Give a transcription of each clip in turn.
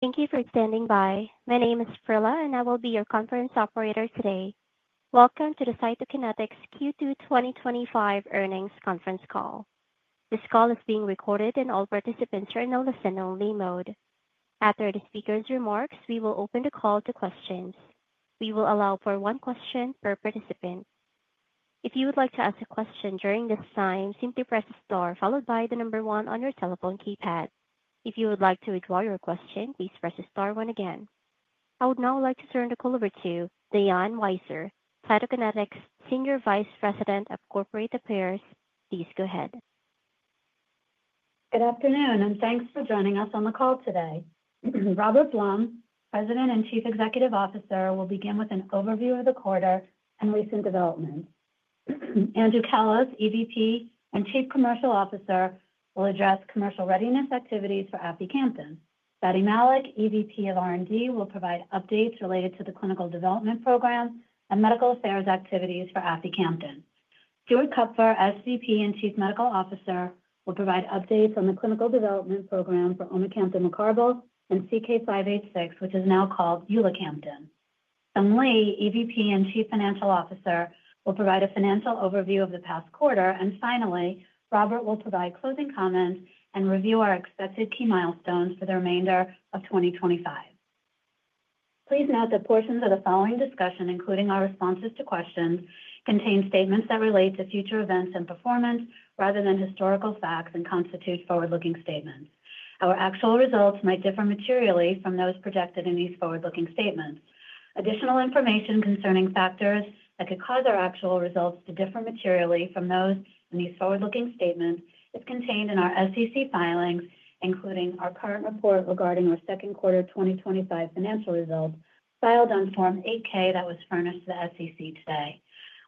Thank you for standing by. My name is Prilla, and I will be your conference operator today. Welcome to the Cytokinetics Q2 2025 Earnings Conference Call. This call is being recorded, and all participants are in a listen-only mode. After the speaker's remarks, we will open the call to questions. We will allow for one question per participant. If you would like to ask a question during this time, simply press the star, followed by the number one on your telephone keypad. If you would like to withdraw your question, please press the star one again. I would now like to turn the call over to Diane Weiser, Cytokinetics Senior Vice President of Corporate Affairs. Please go ahead. Good afternoon, and thanks for joining us on the call today. Robert Blum, President and Chief Executive Officer, will begin with an overview of the quarter and recent developments. Andrew Callos, EVP and Chief Commercial Officer, will address commercial readiness activities for aficamten. Fady Malik, EVP of R&D, will provide updates related to the clinical development program and medical affairs activities for aficamten. Stuart Kupfer, SVP and Chief Medical Officer, will provide updates on the clinical development program for omecamtiv mecarbil and CK-586, which is now called Ulacamten. Sung Lee, EVP and Chief Financial Officer, will provide a financial overview of the past quarter. Finally, Robert will provide closing comments and review our expected key milestones for the remainder of 2025. Please note that portions of the following discussion, including our responses to questions, contain statements that relate to future events and performance rather than historical facts and constitute forward-looking statements. Our actual results might differ materially from those projected in these forward-looking statements. Additional information concerning factors that could cause our actual results to differ materially from those in these forward-looking statements is contained in our SEC filings, including our current report regarding our second quarter 2025 financial results filed on Form 8-K that was furnished to the SEC today.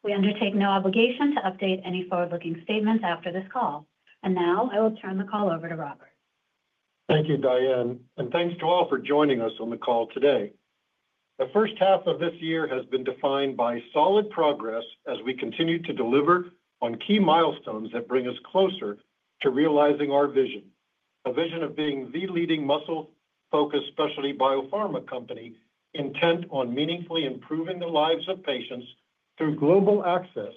We undertake no obligation to update any forward-looking statements after this call. Now I will turn the call over to Robert. Thank you, Diane, and thanks to all for joining us on the call today. The first half of this year has been defined by solid progress as we continue to deliver on key milestones that bring us closer to realizing our vision, a vision of being the leading muscle-focused specialty biopharma company intent on meaningfully improving the lives of patients through global access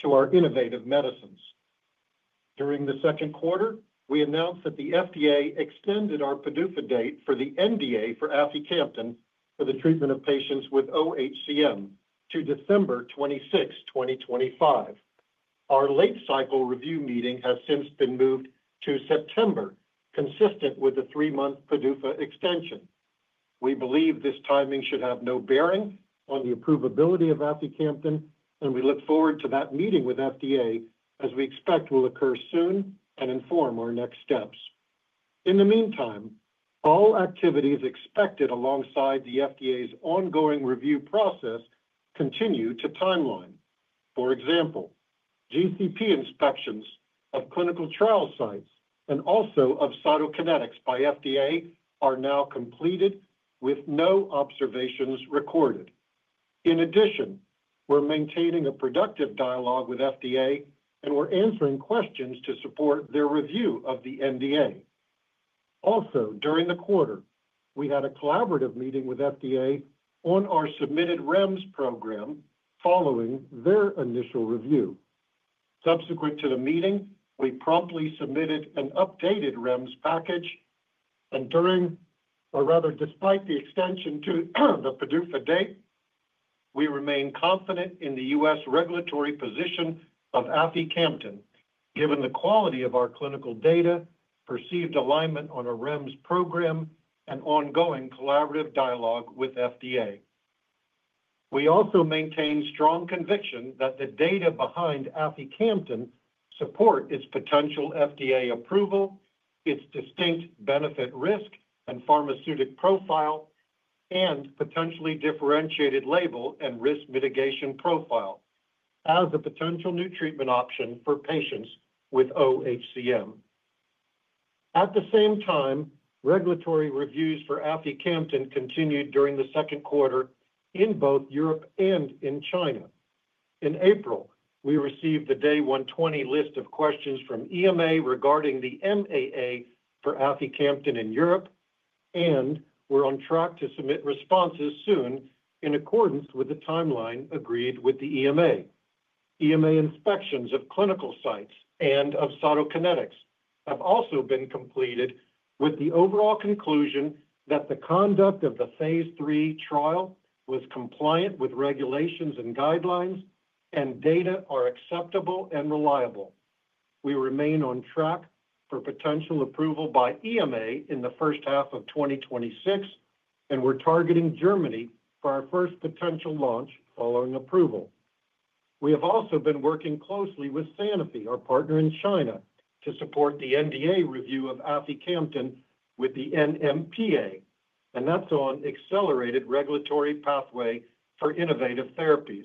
to our innovative medicines. During the second quarter, we announced that the FDA extended our PDUFA date for the NDA for aficamten for the treatment of patients with oHCM to December 26th, 2025. Our late-cycle review meeting has since been moved to September, consistent with the three-month PDUFA extension. We believe this timing should have no bearing on the approvability of aficamten, and we look forward to that meeting with FDA as we expect will occur soon and inform our next steps. In the meantime, all activities expected alongside the FDA's ongoing review process continue to timeline. For example, GCP inspections of clinical trial sites and also of Cytokinetics by FDA are now completed with no observations recorded. In addition, we're maintaining a productive dialogue with FDA, and we're answering questions to support their review of the NDA. Also, during the quarter, we had a collaborative meeting with FDA on our submitted REMS program following their initial review. Subsequent to the meeting, we promptly submitted an updated REMS package, and during or rather despite the extension to the PDUFA date, we remain confident in the U.S. regulatory position of aficamten, given the quality of our clinical data, perceived alignment on our REMS program, and ongoing collaborative dialogue with FDA. We also maintain strong conviction that the data behind aficamten support its potential FDA approval, its distinct benefit-risk and pharmaceutic profile, and potentially differentiated label and risk mitigation profile as a potential new treatment option for patients with oHCM. At the same time, regulatory reviews for aficamten continued during the second quarter in both Europe and in China. In April, we received the Day 120 list of questions from EMA regarding the MAA for aficamten in Europe, and we're on track to submit responses soon in accordance with the timeline agreed with the EMA. EMA inspections of clinical sites and of Cytokinetics have also been completed, with the overall conclusion that the conduct of the Phase III trial was compliant with regulations and guidelines, and data are acceptable and reliable. We remain on track for potential approval by EMA in the first half of 2026, and we're targeting Germany for our first potential launch following approval. We have also been working closely with Sanofi, our partner in China, to support the NDA review of aficamten with the NMPA, and that's on accelerated regulatory pathway for innovative therapies.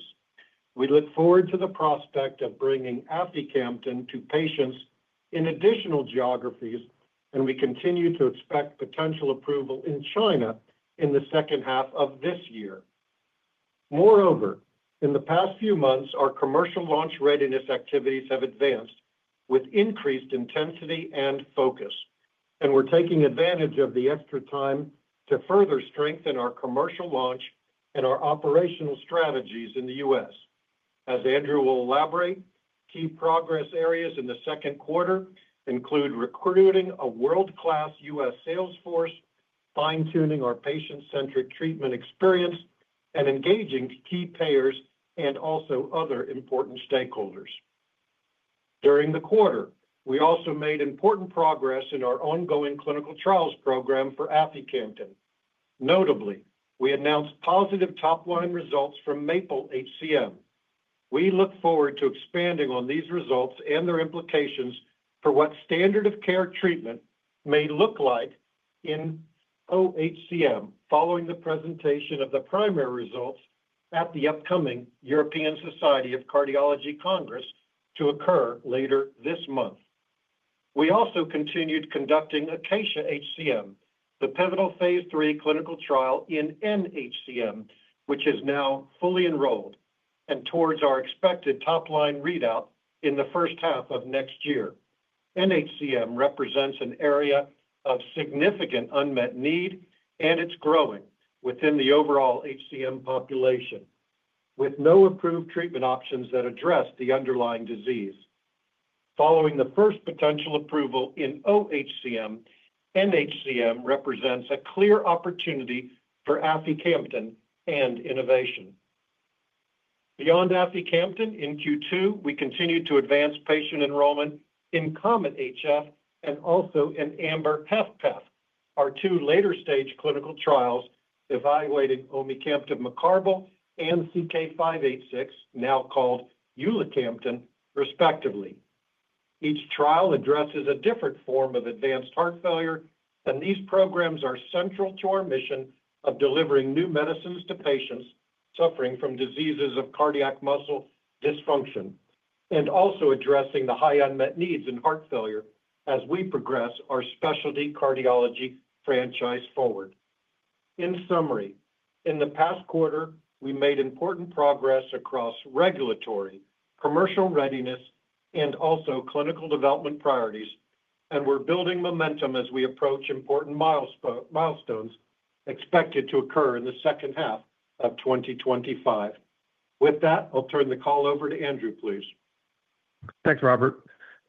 We look forward to the prospect of bringing aficamten to patients in additional geographies, and we continue to expect potential approval in China in the second half of this year. Moreover, in the past few months, our commercial launch readiness activities have advanced with increased intensity and focus, and we're taking advantage of the extra time to further strengthen our commercial launch and our operational strategies in the U.S. As Andrew will elaborate, key progress areas in the second quarter include recruiting a world-class U.S. sales force, fine-tuning our patient-centric treatment experience, and engaging key payers and also other important stakeholders. During the quarter, we also made important progress in our ongoing clinical trials program for aficamten. Notably, we announced positive top-line results from MAPLE-HCM. We look forward to expanding on these results and their implications for what standard-of-care treatment may look like in oHCM following the presentation of the primary results at the upcoming European Society of Cardiology Congress to occur later this month. We also continued conducting ACACIA-HCM, the pivotal Phase III clinical trial in nHCM, which is now fully enrolled and towards our expected top-line readout in the first half of next year. nHCM represents an area of significant unmet need, and it's growing within the overall HCM population with no approved treatment options that address the underlying disease. Following the first potential approval in oHCM, nHCM represents a clear opportunity for aficamten and innovation. Beyond aficamten in Q2, we continue to advance patient enrollment in COMET-HF and also in AMBER-HFpEF, our two later-stage clinical trials evaluating omecamtiv mecarbil and CK- 586, now called Ulacamten, respectively. Each trial addresses a different form of advanced heart failure, and these programs are central to our mission of delivering new medicines to patients suffering from diseases of cardiac muscle dysfunction and also addressing the high unmet needs in heart failure as we progress our specialty cardiology franchise forward. In summary, in the past quarter, we made important progress across regulatory, commercial readiness, and also clinical development priorities, and we're building momentum as we approach important milestones expected to occur in the second half of 2025. With that, I'll turn the call over to Andrew, please. Thanks, Robert.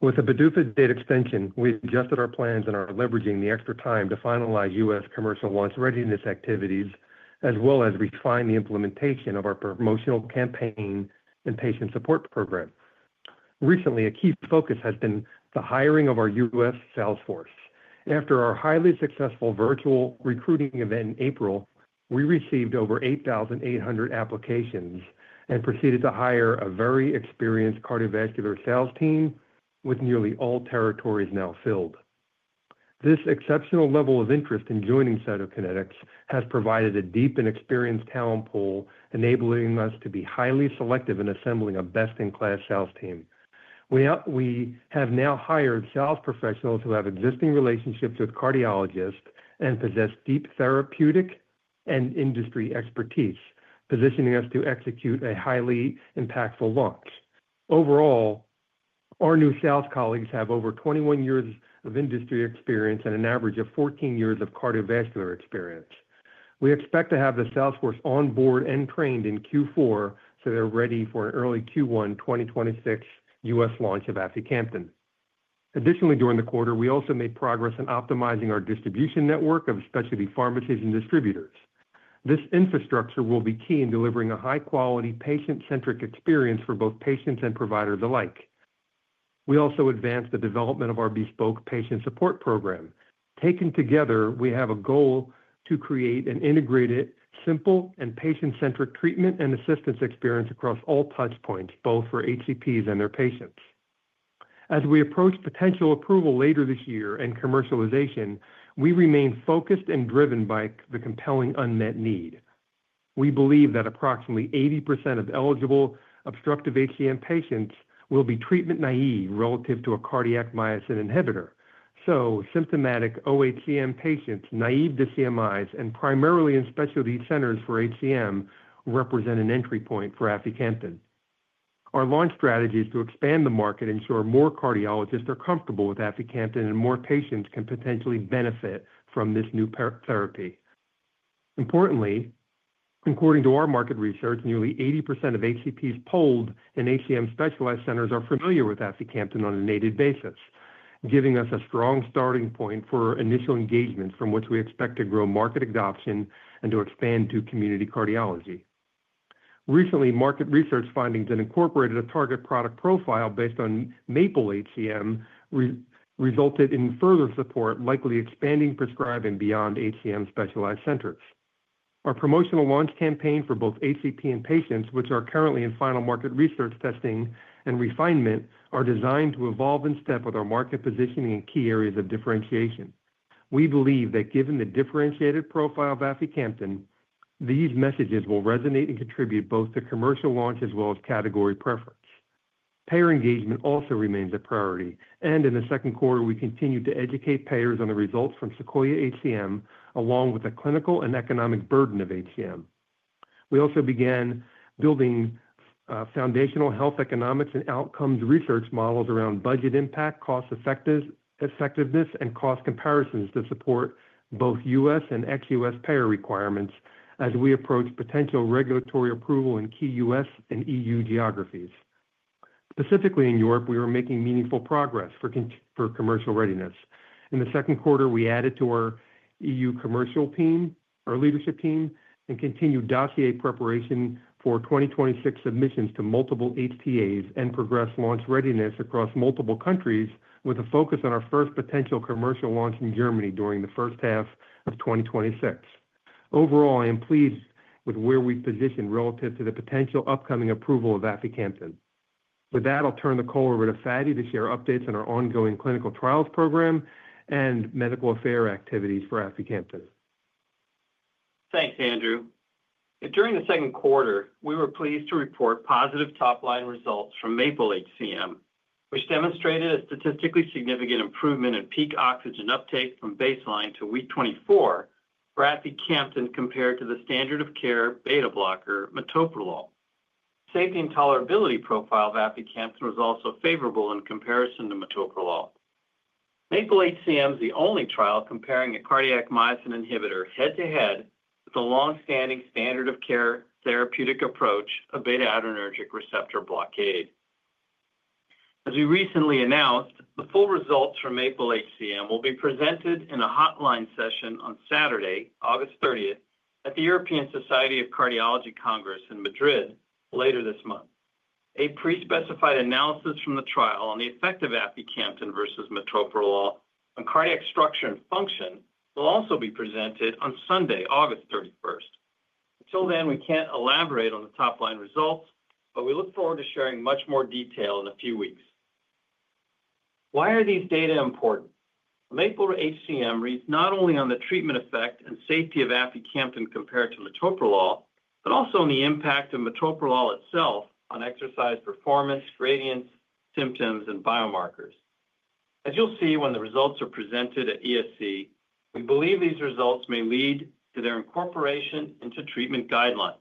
With the PDUFA date extension, we adjusted our plans and are leveraging the extra time to finalize U.S. commercial launch readiness activities, as well as refine the implementation of our promotional campaign and patient support program. Recently, a key focus has been the hiring of our U.S. sales force. After our highly successful virtual recruiting event in April, we received over 8,800 applications and proceeded to hire a very experienced cardiovascular sales team with nearly all territories now filled. This exceptional level of interest in joining Cytokinetics has provided a deep and experienced talent pool, enabling us to be highly selective in assembling a best-in-class sales team. We have now hired sales professionals who have existing relationships with cardiologists and possess deep therapeutic and industry expertise, positioning us to execute a highly impactful launch. Overall, our new sales colleagues have over 21 years of industry experience and an average of 14 years of cardiovascular experience. We expect to have the sales force onboard and trained in Q4 so they're ready for an early Q1 2026 U.S. launch of aficamten. Additionally, during the quarter, we also made progress in optimizing our distribution network of specialty pharmacies and distributors. This infrastructure will be key in delivering a high-quality patient-centric experience for both patients and providers alike. We also advanced the development of our bespoke patient support program. Taken together, we have a goal to create an integrated, simple, and patient-centric treatment and assistance experience across all touchpoints, both for HCPs and their patients. As we approach potential approval later this year and commercialization, we remain focused and driven by the compelling unmet need. We believe that approximately 80% of eligible obstructive HCM patients will be treatment naive relative to a cardiac myosin inhibitor. Symptomatic oHCM patients, naive to CMIs, and primarily in specialty centers for HCM represent an entry point for aficamten. Our launch strategy is to expand the market and ensure more cardiologists are comfortable with aficamten and more patients can potentially benefit from this new therapy. Importantly, according to our market research, nearly 80% of HCPs polled in HCM specialized centers are familiar with aficamten on a native basis, giving us a strong starting point for initial engagements from which we expect to grow market adoption and to expand to community cardiology. Recently, market research findings that incorporated a target product profile based on MAPLE-HCM resulted in further support, likely expanding prescribed and beyond HCM specialized centers. Our promotional launch campaign for both HCP and patients, which are currently in final market research testing and refinement, are designed to evolve and step with our market positioning in key areas of differentiation. We believe that given the differentiated profile of aficamten, these messages will resonate and contribute both to commercial launch as well as category preference. Payer engagement also remains a priority, and in the second quarter, we continue to educate payers on the results from SEQUOIA-HCM, along with the clinical and economic burden of HCM. We also began building foundational health economics and outcomes research models around budget impact, cost effectiveness, and cost comparisons to support both U.S. and ex-U.S. payer requirements as we approach potential regulatory approval in key U.S. and EU geographies. Specifically in Europe, we are making meaningful progress for commercial readiness. In the second quarter, we added to our EU commercial team, our leadership team, and continued dossier preparation for 2026 submissions to multiple HTAs and progress launch readiness across multiple countries, with a focus on our first potential commercial launch in Germany during the first half of 2026. Overall, I am pleased with where we've positioned relative to the potential upcoming approval of aficamten. With that, I'll turn the call over to Fady to share updates on our ongoing clinical trials program and medical affair activities for aficamten. Thanks, Andrew. During the second quarter, we were pleased to report positive top-line results from MAPLE-HCM, which demonstrated a statistically significant improvement in peak oxygen uptake from baseline to week 24 for aficamten compared to the standard-of-care beta blocker metoprolol. Safety and tolerability profile of aficamten was also favorable in comparison to metoprolol. MAPLE-HCM is the only trial comparing a cardiac myosin inhibitor head-to-head with a longstanding standard-of-care therapeutic approach of beta adrenergic receptor blockade. As we recently announced, the full results from MAPLE-HCM will be presented in a hotline session on Saturday, August 30th, at the European Society of Cardiology Congress in Madrid later this month. A pre-specified analysis from the trial on the effect of aficamten versus metoprolol on cardiac structure and function will also be presented on Sunday, August 31st. Until then, we can't elaborate on the top-line results, but we look forward to sharing much more detail in a few weeks. Why are these data important? MAPLE-HCM reads not only on the treatment effect and safety of aficamten compared to metoprolol, but also on the impact of metoprolol itself on exercise performance, gradients, symptoms, and biomarkers. As you'll see when the results are presented at ESC, we believe these results may lead to their incorporation into treatment guidelines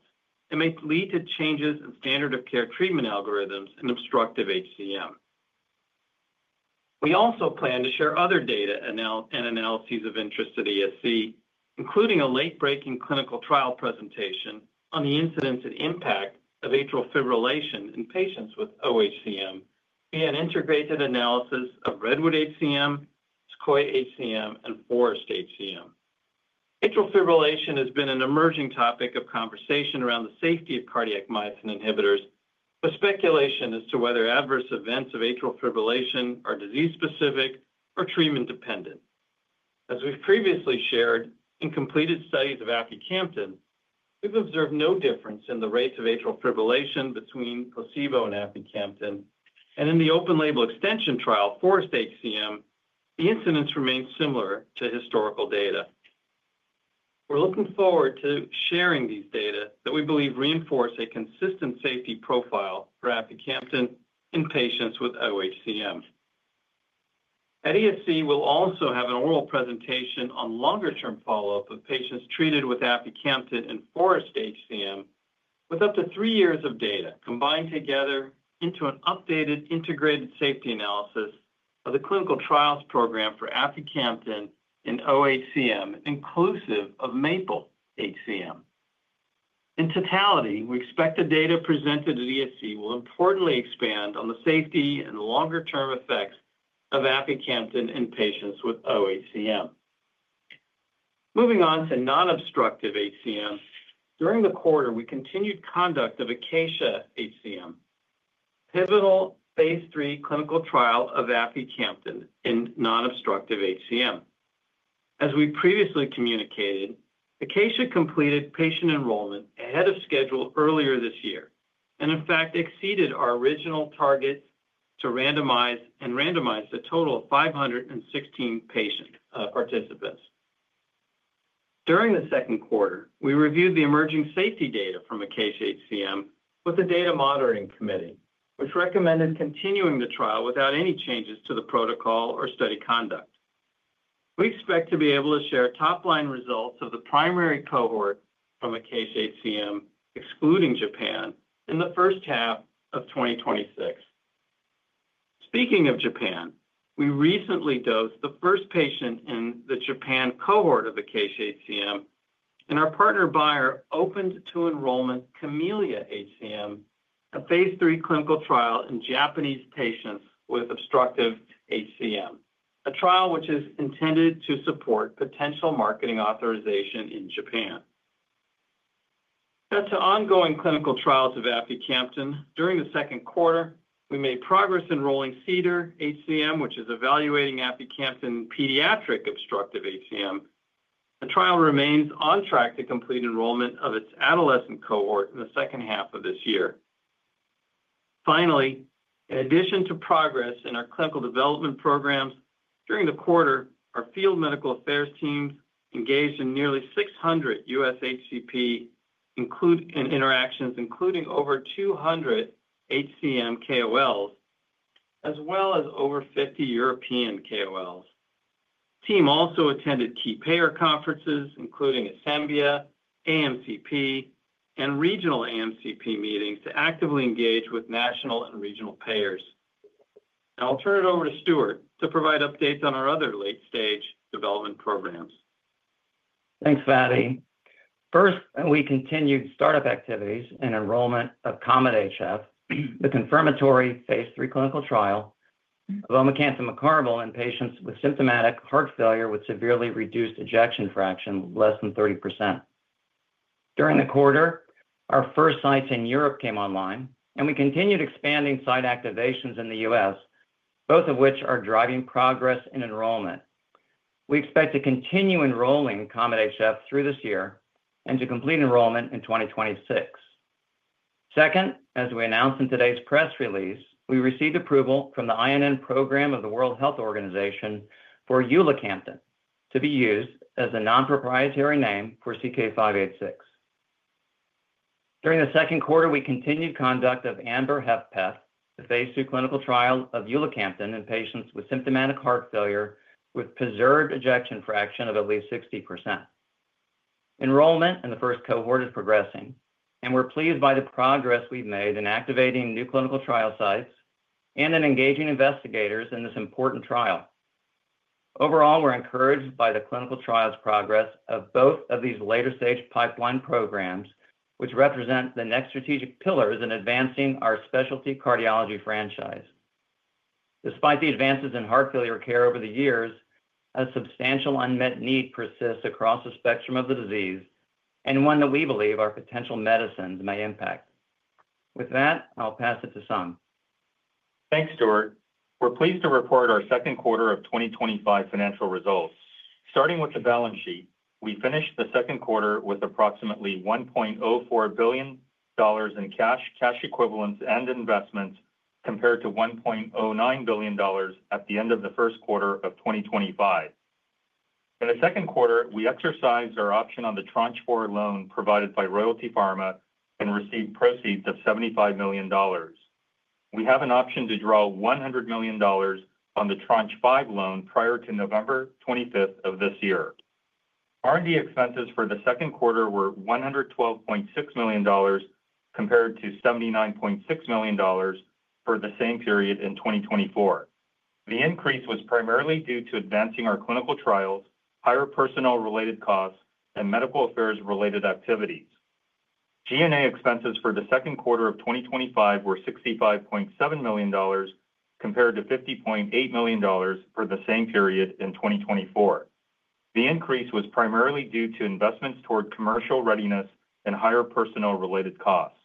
and may lead to changes in standard-of-care treatment algorithms in obstructive HCM. We also plan to share other data and analyses of interest at ESC, including a late-breaking clinical trial presentation on the incidence and impact of atrial fibrillation in patients with oHCM via an integrated analysis of REDWOOD-HCM, SEQUOIA-HCM, and FOREST-HCM. Atrial fibrillation has been an emerging topic of conversation around the safety of cardiac myosin inhibitors, with speculation as to whether adverse events of atrial fibrillation are disease-specific or treatment-dependent. As we've previously shared in completed studies of aficamten, we've observed no difference in the rates of atrial fibrillation between placebo and aficamten, and in the open label extension trial FOREST-HCM, the incidence remains similar to historical data. We're looking forward to sharing these data that we believe reinforce a consistent safety profile for aficamten in patients with oHCM. At ESC, we'll also have an oral presentation on longer-term follow-up of patients treated with aficamten in FOREST-HCM, with up to three years of data combined together into an updated integrated safety analysis of the clinical trials program for aficamten in oHCM, inclusive of MAPLE-HCM. In totality, we expect the data presented at ESC will importantly expand on the safety and longer-term effects of aficamten in patients with oHCM. Moving on to non-obstructive HCM, during the quarter, we continued conduct of ACACIA-HCM, pivotal Phase III clinical trial of aficamten in non-obstructive HCM. As we previously communicated, ACACIA completed patient enrollment ahead of schedule earlier this year and, in fact, exceeded our original targets to randomize a total of 516 patient or participants. During the second quarter, we reviewed the emerging safety data from ACACIA-HCM with the Data Monitoring Committee, which recommended continuing the trial without any changes to the protocol or study conduct. We expect to be able to share top-line results of the primary cohort from ACACIA-HCM, excluding Japan, in the first half of 2026. Speaking of Japan, we recently dosed the first patient in the Japan cohort of ACACIA-HCM, and our partner Bayer opened to enrollment CAMELLIA-HCM, a Phase III clinical trial in Japanese patients with obstructive HCM, a trial which is intended to support potential marketing authorization in Japan. As to ongoing clinical trials of aficamten, during the second quarter, we made progress enrolling CEDAR-HCM, which is evaluating aficamten in pediatric obstructive HCM. The trial remains on track to complete enrollment of its adolescent cohort in the second half of this year. Finally, in addition to progress in our clinical development programs during the quarter, our field medical affairs teams engaged in nearly 600 U.S. HCP interactions, including over 200 HCM KOLs, as well as over 50 European KOLs. The team also attended key payer conferences, including Asembia, AMCP, and regional AMCP meetings to actively engage with national and regional payers. Now I'll turn it over to Stuart to provide updates on our other late-stage development programs. Thanks, Fady. First, we continued startup activities and enrollment of COMET-HF, the confirmatory Phase III clinical trial of omecamtiv mecarbil in patients with symptomatic heart failure with severely reduced ejection fraction, less than 30%. During the quarter, our first sites in Europe came online, and we continued expanding site activations in the U.S., both of which are driving progress in enrollment. We expect to continue enrolling COMET-HF through this year and to complete enrollment in 2026. Second, as we announced in today's press release, we received approval from the INN program of the World Health Organization for ulacamten to be used as a non-proprietary name for CK-586. During the second quarter, we continued conduct of AMBER-HFpEF, the Phase II clinical trial of ulacamten in patients with symptomatic heart failure with preserved ejection fraction of at least 60%. Enrollment in the first cohort is progressing, and we're pleased by the progress we've made in activating new clinical trial sites and in engaging investigators in this important trial. Overall, we're encouraged by the clinical trials' progress of both of these later-stage pipeline programs, which represent the next strategic pillars in advancing our specialty cardiology franchise. Despite the advances in heart failure care over the years, a substantial unmet need persists across the spectrum of the disease and one that we believe our potential medicines may impact. With that, I'll pass it to Sung. Thanks, Stuart. We're pleased to report our second quarter of 2025 financial results. Starting with the balance sheet, we finished the second quarter with approximately $1.04 billion in cash equivalents and investments compared to $1.09 billion at the end of the first quarter of 2025. In the second quarter, we exercised our option on the Tranche IV loan provided by Royalty Pharma and received proceeds of $75 million. We have an option to draw $100 million on the Tranche V loan prior to November 25 of this year. R&D expenses for the second quarter were $112.6 million compared to $79.6 million for the same period in 2024. The increase was primarily due to advancing our clinical trials, higher personnel-related costs, and medical affairs-related activities. G&A expenses for the second quarter of 2025 were $65.7 million compared to $50.8 million for the same period in 2024. The increase was primarily due to investments toward commercial readiness and higher personnel-related costs.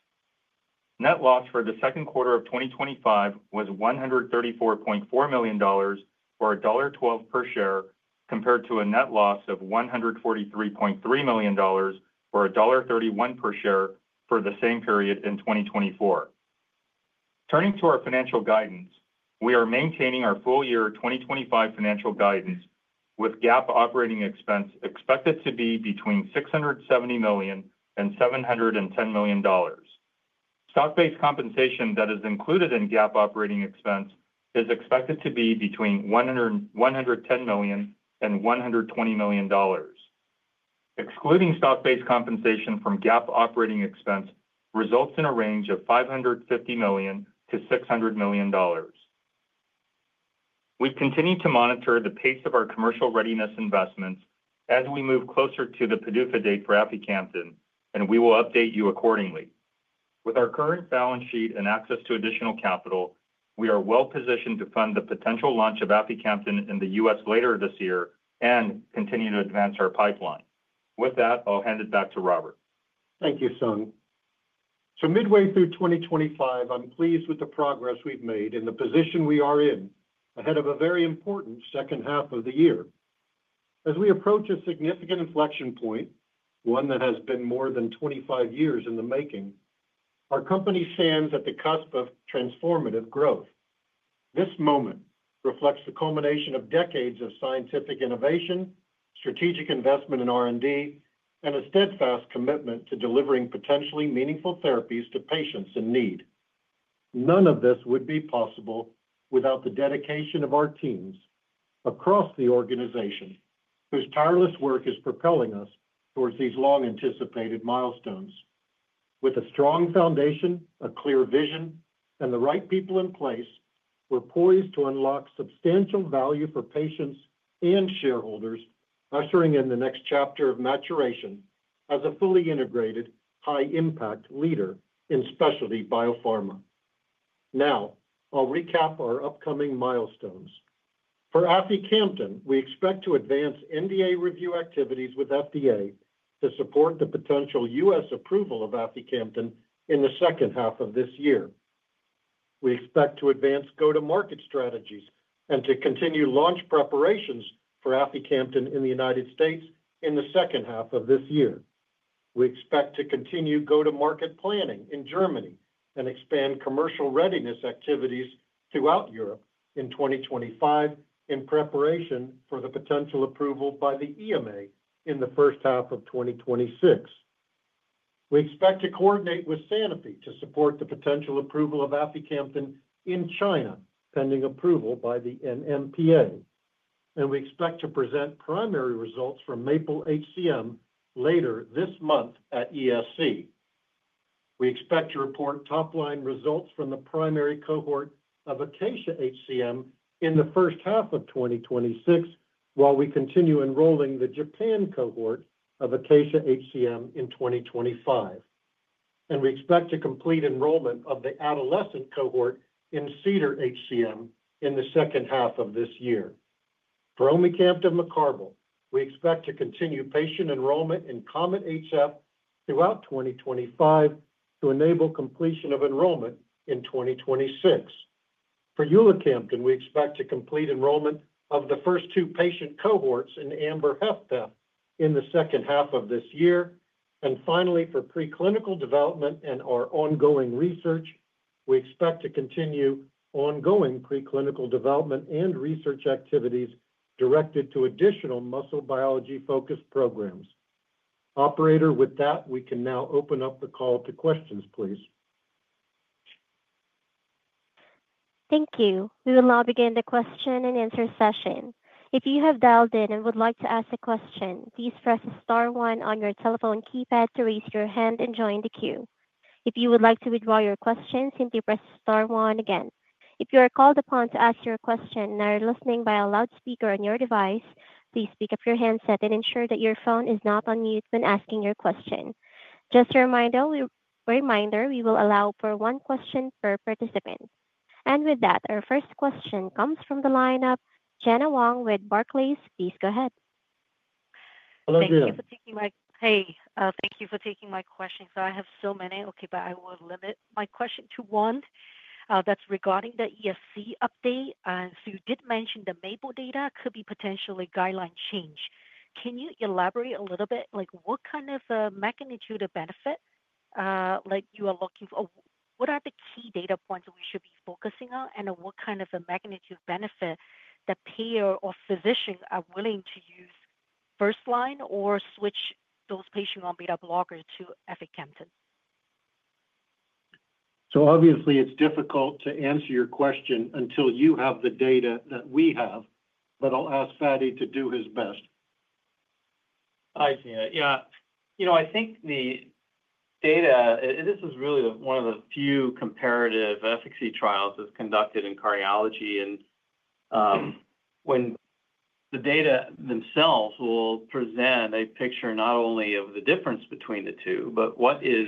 Net loss for the second quarter of 2025 was $134.4 million or $1.12 per share compared to a net loss of $143.3 million or $1.31 per share for the same period in 2024. Turning to our financial guidance. We are maintaining our full-year 2025 financial guidance with GAAP operating expense expected to be between $670 million and $710 million. Stock-based compensation that is included in GAAP operating expense is expected to be between $110 million and $120 million. Excluding stock-based compensation from GAAP operating expense results in a range of $550 million-$600 million. We've continued to monitor the pace of our commercial readiness investments as we move closer to the PDUFA date for aficamten, and we will update you accordingly. With our current balance sheet and access to additional capital, we are well positioned to fund the potential launch of aficamten in the U.S. later this year and continue to advance our pipeline. With that, I'll hand it back to Robert. Thank you, Sung. Midway through 2025, I'm pleased with the progress we've made and the position we are in ahead of a very important second half of the year. As we approach a significant inflection point, one that has been more than 25 years in the making, our company stands at the cusp of transformative growth. This moment reflects the culmination of decades of scientific innovation, strategic investment in R&D, and a steadfast commitment to delivering potentially meaningful therapies to patients in need. None of this would be possible without the dedication of our teams across the organization, whose tireless work is propelling us towards these long-anticipated milestones. With a strong foundation, a clear vision, and the right people in place, we're poised to unlock substantial value for patients and shareholders, ushering in the next chapter of maturation as a fully integrated, high-impact leader in specialty biopharma. Now, I'll recap our upcoming milestones. For aficamten, we expect to advance NDA review activities with the FDA to support the potential U.S. approval of aficamten in the second half of this year. We expect to advance go-to-market strategies and to continue launch preparations for aficamten in the United States in the second half of this year. We expect to continue go-to-market planning in Germany and expand commercial readiness activities throughout Europe in 2025 in preparation for the potential approval by the EMA in the first half of 2026. We expect to coordinate with Sanofi to support the potential approval of aficamten in China, pending approval by the NMPA, and we expect to present primary results from MAPLE-HCM later this month at ESC. We expect to report top-line results from the primary cohort of ACACIA-HCM in the first half of 2026 while we continue enrolling the Japan cohort of ACACIA-HCM in 2025. We expect to complete enrollment of the adolescent cohort in CEDAR-HCM in the second half of this year. For omecamtiv mecarbil, we expect to continue patient enrollment in COMET-HF throughout 2025 to enable completion of enrollment in 2026. For ulacamten, we expect to complete enrollment of the first two patient cohorts in AMBER-HFpEF in the second half of this year. Finally, for preclinical development and our ongoing research, we expect to continue ongoing preclinical development and research activities directed to additional muscle biology focused programs. Operator, with that, we can now open up the call to questions, please. Thank you. We will now begin the question and answer session. If you have dialed in and would like to ask a question, please press the star one on your telephone keypad to raise your hand and join the queue. If you would like to withdraw your question, simply press the star one again. If you are called upon to ask your question and are listening via a loudspeaker on your device, please pick up your headset and ensure that your phone is not on mute when asking your question. Just a reminder, we will allow for one question per participant. With that, our first question comes from the lineup. Gena Wang with Barclays, please go ahead. Hello, Diane. Thank you for taking my question. I have so many, but I will limit my question to one. That's regarding the ESC update. You did mention the MAPLE data could be potentially a guideline change. Can you elaborate a little bit? What kind of a magnitude of benefit are you looking for? What are the key data points we should be focusing on? What kind of a magnitude benefit would a payer or physician be willing to use first line or switch those patients on beta blockers to aficamten? Obviously, it's difficult to answer your question until you have the data that we have, but I'll ask Fady to do his best. Hi, Diane. Yeah, you know I think the data, and this is really one of the few comparative efficacy trials that's conducted in cardiology. When the data themselves will present a picture not only of the difference between the two, but what is,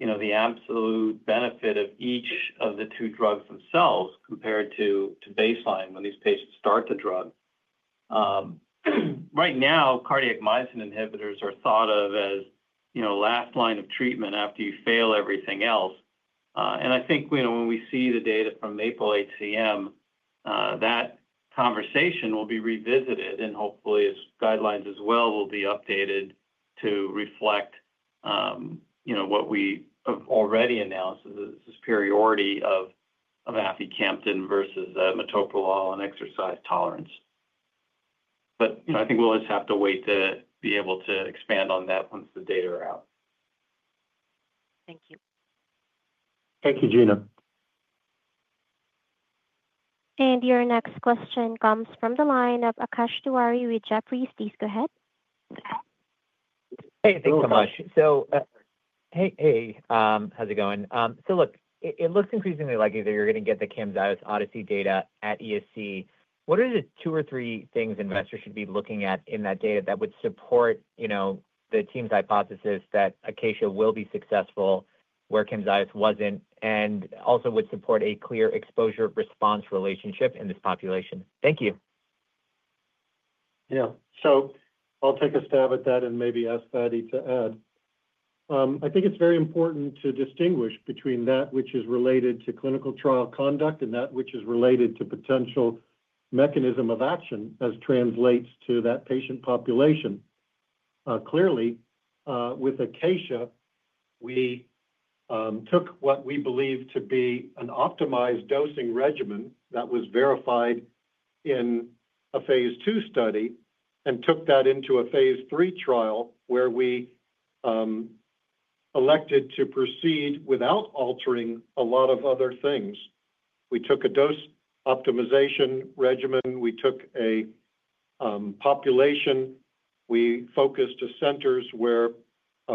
you know, the absolute benefit of each of the two drugs themselves compared to baseline when these patients start the drug. Right now, cardiac myosin inhibitors are thought of as, you know, last line of treatment after you fail everything else. I think, you know, when we see the data from MAPLE-HCM, that conversation will be revisited and hopefully guidelines as well will be updated to reflect, you know, what we have already announced as the superiority of aficamten versus metoprolol in exercise tolerance. I think we'll just have to wait to be able to expand on that once the data are out. Thank you. Thank you, Gena. Your next question comes from the line of Akash Tewari with Jefferies, please go ahead. Hey, thanks so much. It looks increasingly like either you're going to get the Camzyos ODYSSEY data at ESC. What are the two or three things investors should be looking at in that data that would support, you know, the team's hypothesis that ACACIA will be successful where Camzyos wasn't and also would support a clear exposure-response relationship in this population? Thank you. I'll take a stab at that and maybe ask Fady to add. I think it's very important to distinguish between that which is related to clinical trial conduct and that which is related to potential mechanism of action as translates to that patient population. Clearly, with ACACIA, we took what we believe to be an optimized dosing regimen that was verified in a Phase II study and took that into a Phase III trial where we elected to proceed without altering a lot of other things. We took a dose optimization regimen. We took a population. We focused the centers where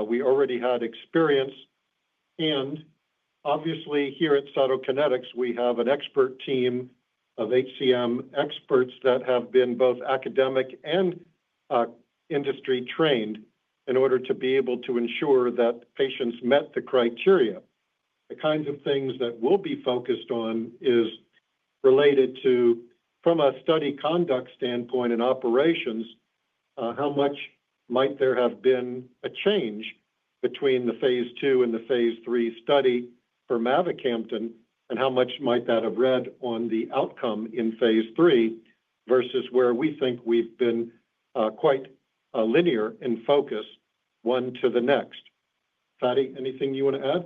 we already had experience. Obviously, here at Cytokinetics, we have an expert team of HCM experts that have been both academic and industry-trained in order to be able to ensure that patients met the criteria. The kinds of things that we'll be focused on are related to, from a study conduct standpoint and operations, how much might there have been a change between the Phase II and the Phase III study for mavacamten, and how much might that have read on the outcome in Phase III versus where we think we've been quite linear in focus one to the next. Fady, anything you want to add?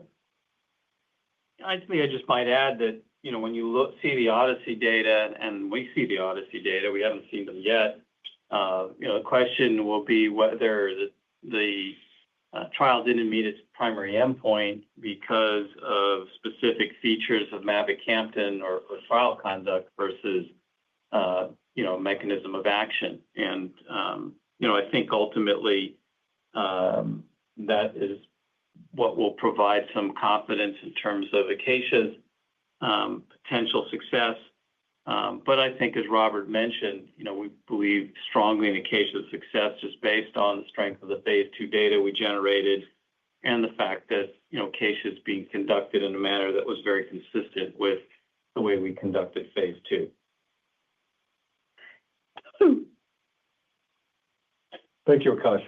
I think I just might add that, you know, when you see the ODYSSEY data and we see the ODYSSEY data, we haven't seen them yet. The question will be whether the trial didn't meet its primary endpoint because of specific features of mavacamten or trial conduct versus, you know, mechanism of action. I think ultimately that is what will provide some confidence in terms of Acacia's potential success. I think, as Robert mentioned, we believe strongly in ACACIA's success just based on the strength of the Phase II data we generated and the fact that ACACIA is being conducted in a manner that was very consistent with the way we conducted Phase II. Thank you, Akash.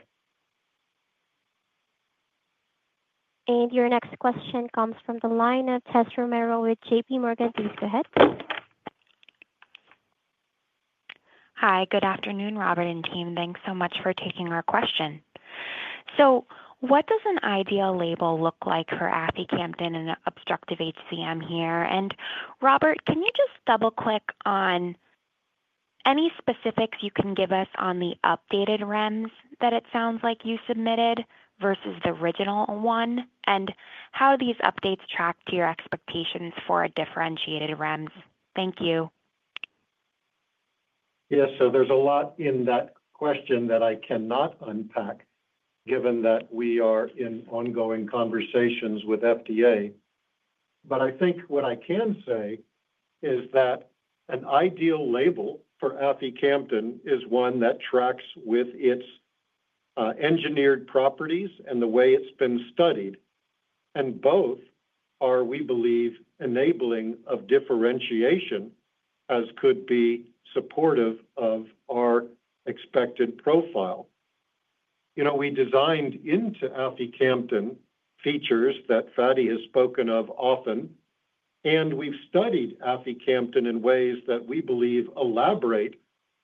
Your next question comes from the line of Tessa Romero with JP Morgan. Please go ahead. Hi. Good afternoon, Robert and team. Thanks so much for taking our question. What does an ideal label look like for aficamten in obstructive HCM here? Robert, can you just double-click on any specifics you can give us on the updated REMS that it sounds like you submitted versus the original one? How are these updates tracked to your expectations for a differentiated REMS? Thank you. Yeah. There's a lot in that question that I cannot unpack given that we are in ongoing conversations with FDA. I think what I can say is that an ideal label for aficamten is one that tracks with its engineered properties and the way it's been studied. Both are, we believe, enabling of differentiation as could be supportive of our expected profile. You know, we designed into aficamten features that Fady has spoken of often, and we've studied aficamten in ways that we believe elaborate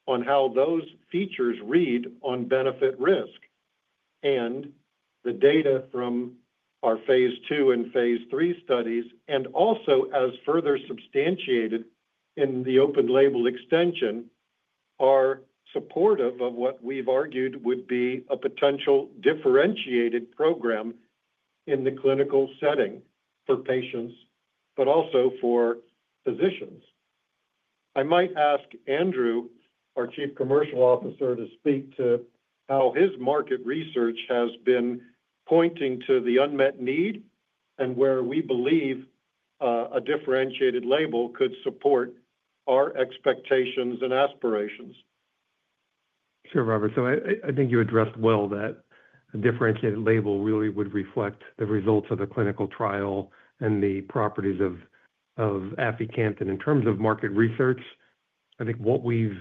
on how those features read on benefit-risk. The data from our Phase II and Phase III studies, and also as further substantiated in the open label extension, are supportive of what we've argued would be a potential differentiated program in the clinical setting for patients, but also for physicians. I might ask Andrew, our Chief Commercial Officer, to speak to how his market research has been pointing to the unmet need and where we believe a differentiated label could support our expectations and aspirations. Sure, Robert. I think you addressed well that a differentiated label really would reflect the results of the clinical trial and the properties of aficamten. In terms of market research, I think what we've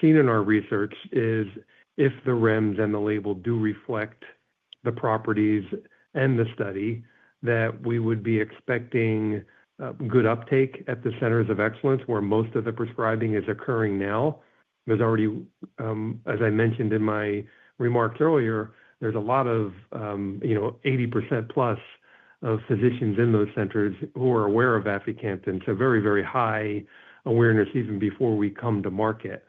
seen in our research is if the REMS and the label do reflect the properties and the study, that we would be expecting good uptake at the centers of excellence where most of the prescribing is occurring now. There's already, as I mentioned in my remarks earlier, a lot of, you know, 80% plus of physicians in those centers who are aware of aficamten. Very, very high awareness even before we come to market.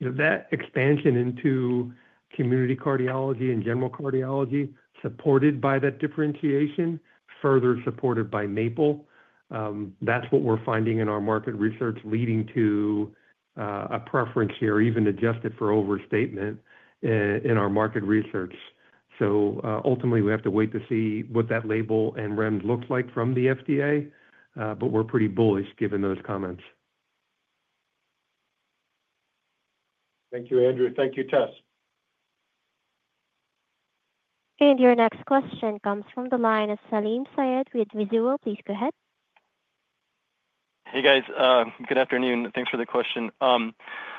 That expansion into community cardiology and general cardiology supported by that differentiation, further supported by MAPLE, that's what we're finding in our market research leading to a preference here, even adjusted for overstatement in our market research. Ultimately, we have to wait to see what that label and REMS looks like from the FDA, but we're pretty bullish given those comments. Thank you, Andrew. Thank you, Tess. Your next question comes from the line of Salim Syed with Mizuho, please go ahead. Hey, guys. Good afternoon. Thanks for the question.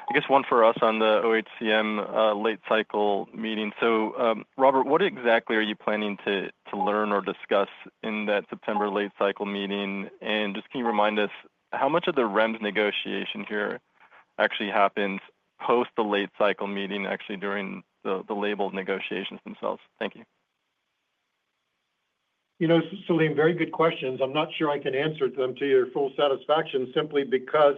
I guess one for us on the oHCM late cycle meeting. Robert, what exactly are you planning to learn or discuss in that September late cycle meeting? Can you remind us how much of the REMS negotiation here actually happens post the late cycle meeting, actually during the label negotiations themselves? Thank you. You know, Salim, very good questions. I'm not sure I can answer them to your full satisfaction simply because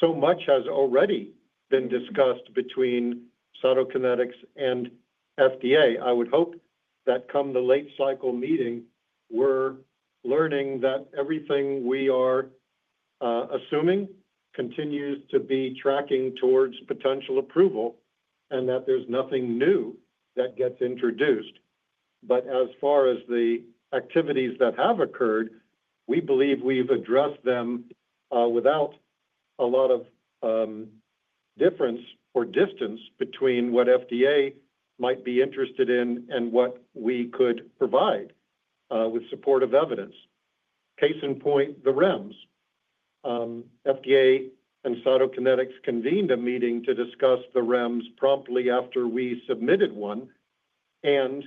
so much has already been discussed between Cytokinetics and FDA. I would hope that come the late cycle meeting, we're learning that everything we are assuming continues to be tracking towards potential approval and that there's nothing new that gets introduced. As far as the activities that have occurred, we believe we've addressed them without a lot of difference or distance between what FDA might be interested in and what we could provide with supportive evidence. Case in point, the REMS. FDA and Cytokinetics convened a meeting to discuss the REMS promptly after we submitted one, and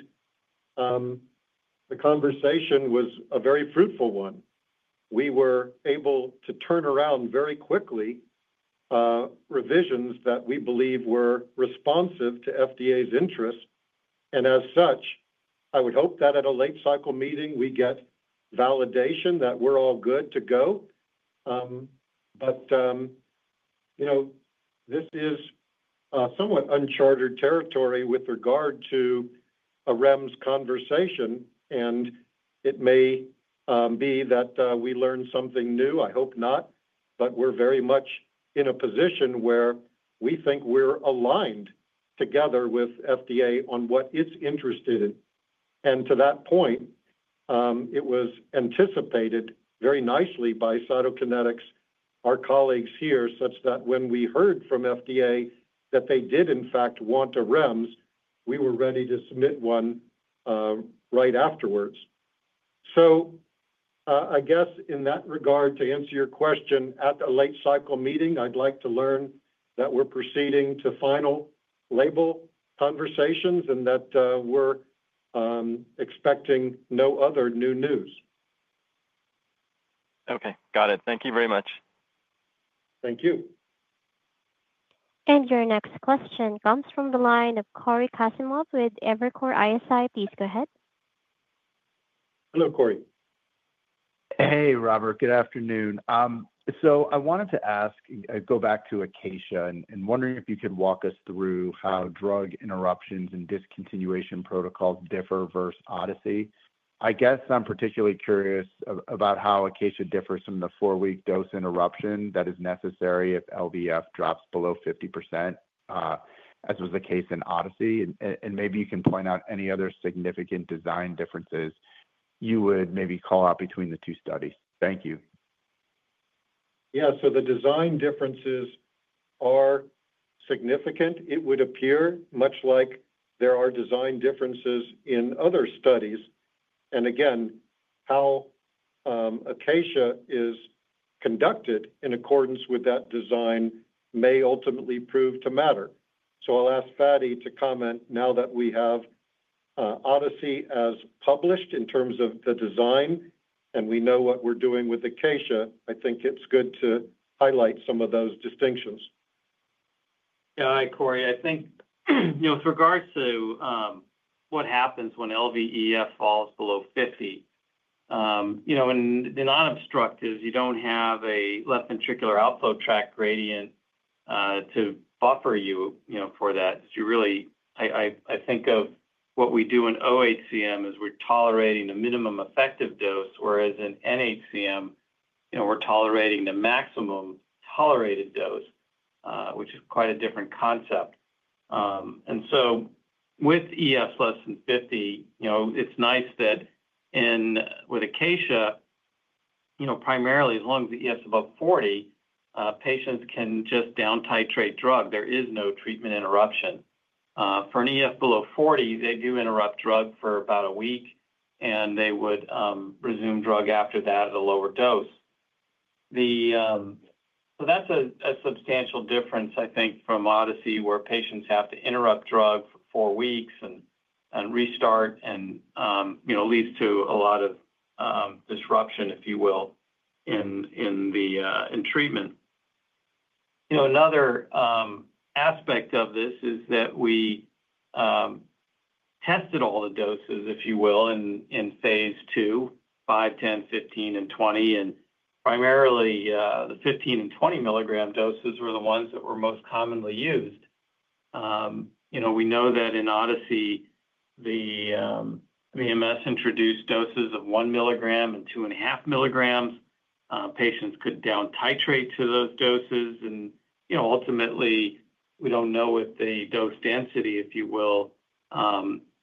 the conversation was a very fruitful one. We were able to turn around very quickly revisions that we believe were responsive to FDA's interests. As such, I would hope that at a late cycle meeting, we get validation that we're all good to go. This is somewhat unchartered territory with regard to a REMS conversation, and it may be that we learn something new. I hope not, but we're very much in a position where we think we're aligned together with FDA on what it's interested in. To that point, it was anticipated very nicely by Cytokinetics, our colleagues here, such that when we heard from FDA that they did, in fact, want a REMS, we were ready to submit one right afterwards. I guess in that regard, to answer your question, at the late cycle meeting, I'd like to learn that we're proceeding to final label conversations and that we're expecting no other new news. Okay. Got it. Thank you very much. Thank you. Your next question comes from the line of Cory Kasimov with Evercore ISI. Please go ahead. Hello, Cory. Hey, Robert. Good afternoon. I wanted to ask, I go back to ACACIA, and I'm wondering if you could walk us through how drug interruptions and discontinuation protocols differ versus ODYSSEY. I'm particularly curious about how ACACIA differs from the four-week dose interruption that is necessary if LVF drops below 50%, as was the case in ODYSSEY. Maybe you can point out any other significant design differences you would maybe call out between the two studies. Thank you. Yeah. The design differences are significant. It would appear much like there are design differences in other studies. Again, how ACACIA is conducted in accordance with that design may ultimately prove to matter. I'll ask Fady to comment now that we have ODYSSEY as published in terms of the design and we know what we're doing with ACACIA. I think it's good to highlight some of those distinctions. Yeah. Hi, Cory. I think, you know, with regards to what happens when LVEF falls below 50%, you know, and in non-obstructives, you don't have a left ventricular outflow tract gradient to buffer you, you know, for that. I think of what we do in oHCM as we're tolerating a minimum effective dose, whereas in nHCM, we're tolerating the maximum tolerated dose, which is quite a different concept. With EF less than 50%, it's nice that in ACACIA, primarily as long as the EF is above 40%, patients can just down-titrate drug. There is no treatment interruption. For an EF below 40%, they do interrupt drug for about a week, and they would resume drug after that at a lower dose. That's a substantial difference, I think, from ODYSSEY, where patients have to interrupt drug for four weeks and restart, and it leads to a lot of disruption, if you will, in treatment. Another aspect of this is that we tested all the doses, if you will, in Phase II, 5 mg, 10 mg, 15 mg, and 20mg, and primarily the 15 mg and 20 mg doses were the ones that were most commonly used. We know that in ODYSSEY, the MS introduced doses of 1 mg and 2.5 mg. Patients could down-titrate to those doses. Ultimately, we don't know if the dose density, if you will,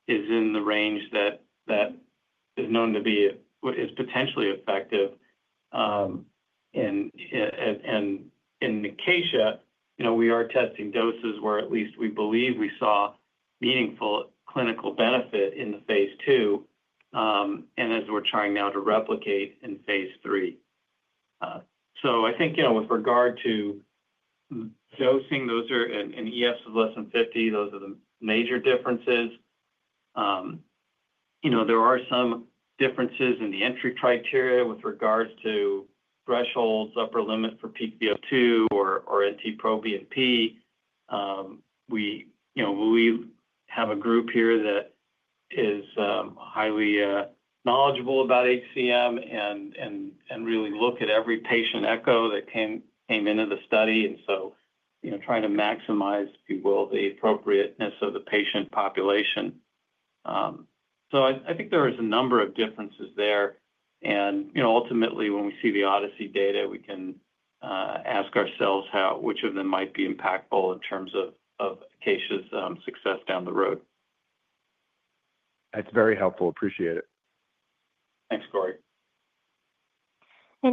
is in the range that is known to be what is potentially effective. In ACACIA, we are testing doses where at least we believe we saw meaningful clinical benefit in the Phase II, and as we're trying now to replicate in Phase III. I think, with regard to dosing, those are in EFs of less than 50%, those are the major differences. There are some differences in the entry criteria with regards to thresholds, upper limit for VO2 or NT-proBNP. We have a group here that is highly knowledgeable about HCM and really look at every patient echo that came into the study. Trying to maximize, if you will, the appropriateness of the patient population. I think there are a number of differences there. Ultimately, when we see the ODYSSEY data, we can ask ourselves which of them might be impactful in terms of Acacia's success down the road. That's very helpful. Appreciate it. Thanks, Cory.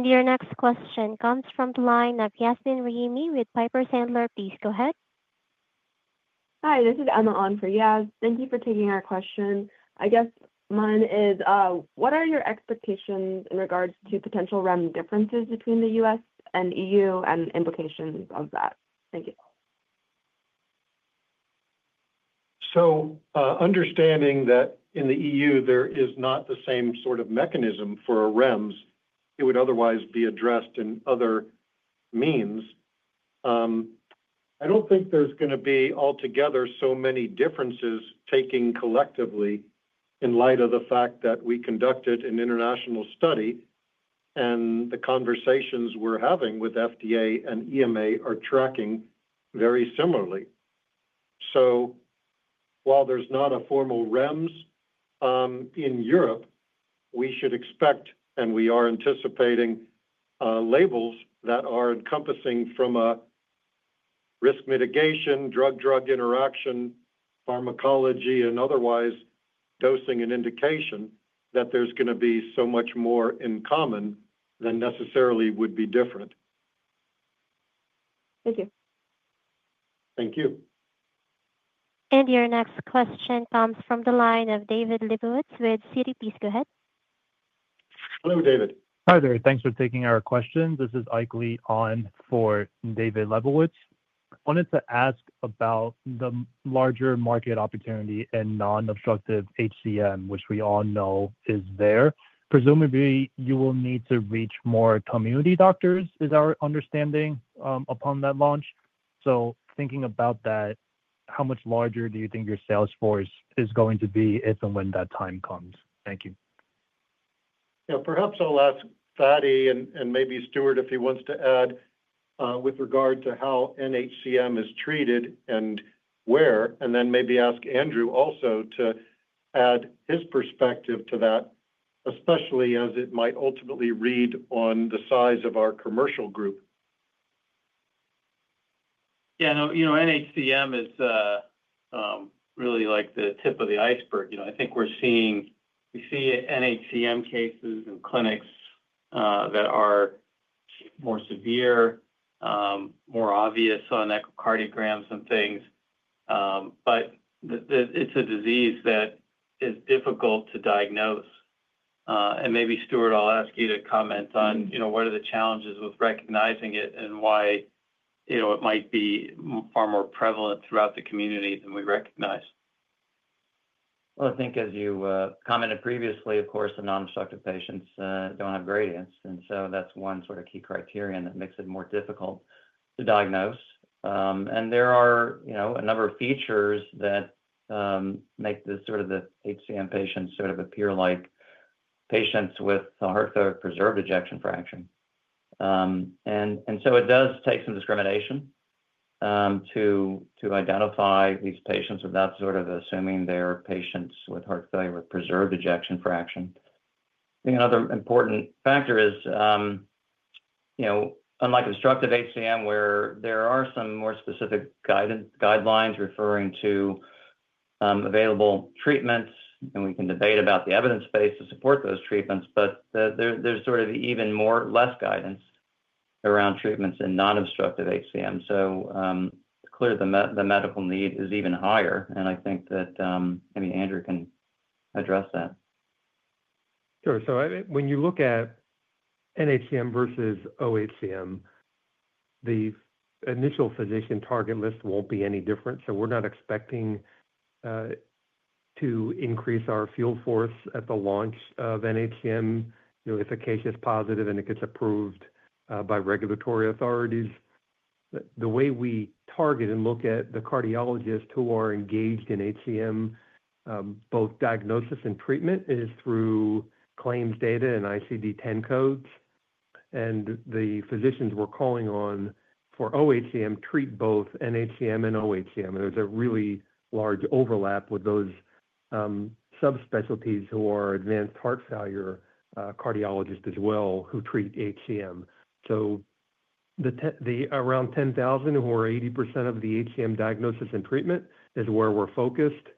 Your next question comes from the line of Yasmin Rahimi with Piper Sandler. Please go ahead. Hi. This is Emma on for Yas. Thank you for taking our question. I guess mine is, what are your expectations in regards to potential REMS differences between the U.S. and EU and implications of that? Thank you. Understanding that in the EU, there is not the same sort of mechanism for a REMS. It would otherwise be addressed in other means. I don't think there's going to be altogether so many differences taken collectively in light of the fact that we conducted an international study and the conversations we're having with FDA and EMA are tracking very similarly. While there's not a formal REMS in Europe, we should expect, and we are anticipating labels that are encompassing from a risk mitigation, drug-drug interaction, pharmacology, and otherwise dosing and indication that there's going to be so much more in common than necessarily would be different. Thank you. Thank you. Your next question comes from the line of David Lebowitz with Cedar. Please go ahead. Hello, David. Hi, Robert. Thanks for taking our question. This is Ike Lee on for David Lebowitz. I wanted to ask about the larger market opportunity in non-obstructive HCM, which we all know is there. Presumably, you will need to reach more community doctors, is our understanding, upon that launch. Thinking about that, how much larger do you think your sales force is going to be if and when that time comes? Thank you. Yeah. Perhaps I'll ask Fady and maybe Stuart if he wants to add with regard to how nHCM is treated and where, and then maybe ask Andrew also to add his perspective to that, especially as it might ultimately read on the size of our commercial group. Yeah. No, you know, nHCM is really like the tip of the iceberg. I think we're seeing, we see nHCM cases in clinics that are more severe, more obvious on echocardiograms and things. It's a disease that is difficult to diagnose. Maybe, Stuart, I'll ask you to comment on what are the challenges with recognizing it and why it might be far more prevalent throughout the community than we recognize. I think as you commented previously, of course, the non-obstructive patients don't have gradients. That's one sort of key criterion that makes it more difficult to diagnose. There are a number of features that make the HCM patients sort of appear like patients with heart failure with preserved ejection fraction. It does take some discrimination to identify these patients without assuming they're patients with heart failure with preserved ejection fraction. I think another important factor is, unlike obstructive HCM, where there are some more specific guidelines referring to available treatments, and we can debate about the evidence base to support those treatments, there's even less guidance around treatments in non-obstructive HCM. Clearly, the medical need is even higher. I think that maybe Andrew can address that. Sure. When you look at nHCM versus oHCM, the initial physician target list won't be any different. We're not expecting to increase our field force at the launch of nHCM ACACIA-HCM is positive and it gets approved by regulatory authorities. The way we target and look at the cardiologists who are engaged in HCM, both diagnosis and treatment, is through claims data and ICD-10 codes. The physicians we're calling on for oHCM treat both nHCM and oHCM. There's a really large overlap with those subspecialties who are advanced heart failure cardiologists as well who treat HCM. The around 10,000 who are 80% of the HCM diagnosis and treatment is where we're focused.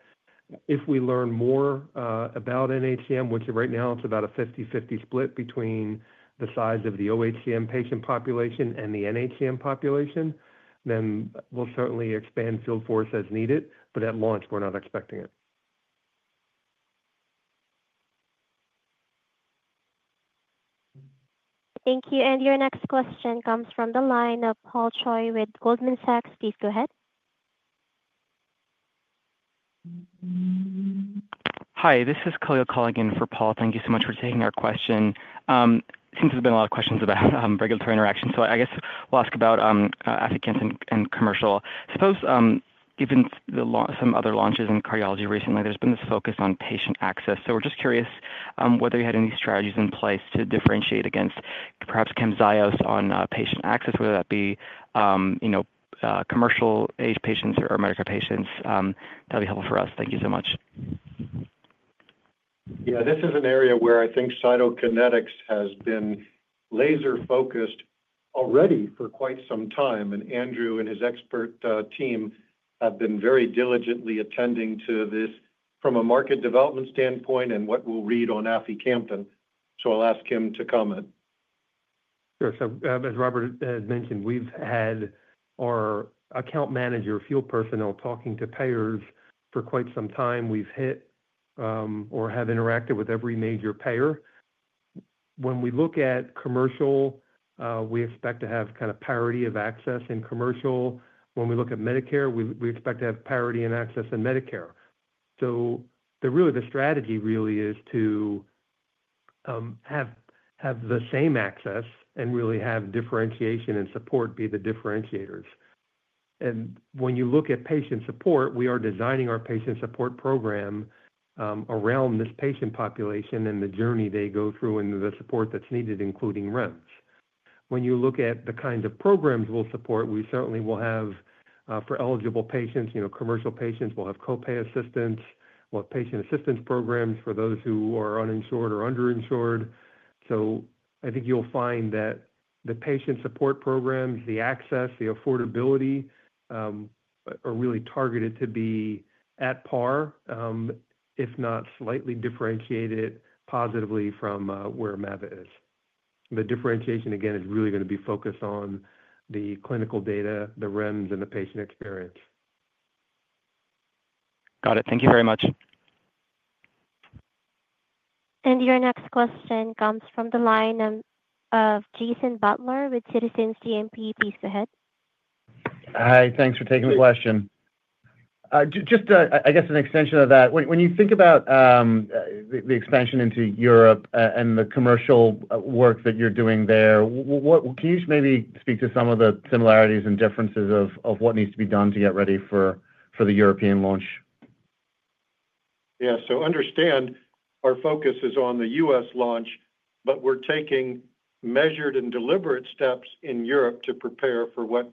If we learn more about nHCM, which right now is about a 50/50 split between the size of the oHCM patient population and the nHCM population, we'll certainly expand field force as needed. At launch, we're not expecting it. Thank you. Your next question comes from the line of Paul Choi with Goldman Sachs. Please go ahead. Hi. This is Khalil calling in for Paul. Thank you so much for taking our question. It seems there's been a lot of questions about regulatory interactions. I guess we'll ask about aficamten and commercial. I suppose given some other launches in cardiology recently, there's been this focus on patient access. We're just curious whether you had any strategies in place to differentiate against perhaps Camzyos on patient access, whether that be, you know, commercial age patients or medical patients. That would be helpful for us. Thank you so much. Yeah. This is an area where I think Cytokinetics has been laser-focused already for quite some time. Andrew and his expert team have been very diligently attending to this from a market development standpoint and what will read on aficamten. I'll ask him to comment. Sure. As Robert had mentioned, we've had our account manager field personnel talking to payers for quite some time. We've hit or have interacted with every major payer. When we look at commercial, we expect to have kind of parity of access in commercial. When we look at Medicare, we expect to have parity in access in Medicare. The strategy really is to have the same access and really have differentiation and support be the differentiators. When you look at patient support, we are designing our patient support program around this patient population and the journey they go through and the support that's needed, including REMS. When you look at the kinds of programs we'll support, we certainly will have for eligible patients, you know, commercial patients, we'll have copay assistance. We'll have patient assistance programs for those who are uninsured or underinsured. I think you'll find that the patient support programs, the access, the affordability are really targeted to be at par, if not slightly differentiated positively from where mavacamten is. The differentiation, again, is really going to be focused on the clinical data, the REMS, and the patient experience. Got it. Thank you very much. Your next question comes from the line of Jason Butler with Citizens GMP. Please go ahead. Hi. Thanks for taking the question. I guess an extension of that. When you think about the expansion into Europe and the commercial work that you're doing there, can you maybe speak to some of the similarities and differences of what needs to be done to get ready for the European launch? Yeah. Understand our focus is on the U.S. launch, but we're taking measured and deliberate steps in Europe to prepare for what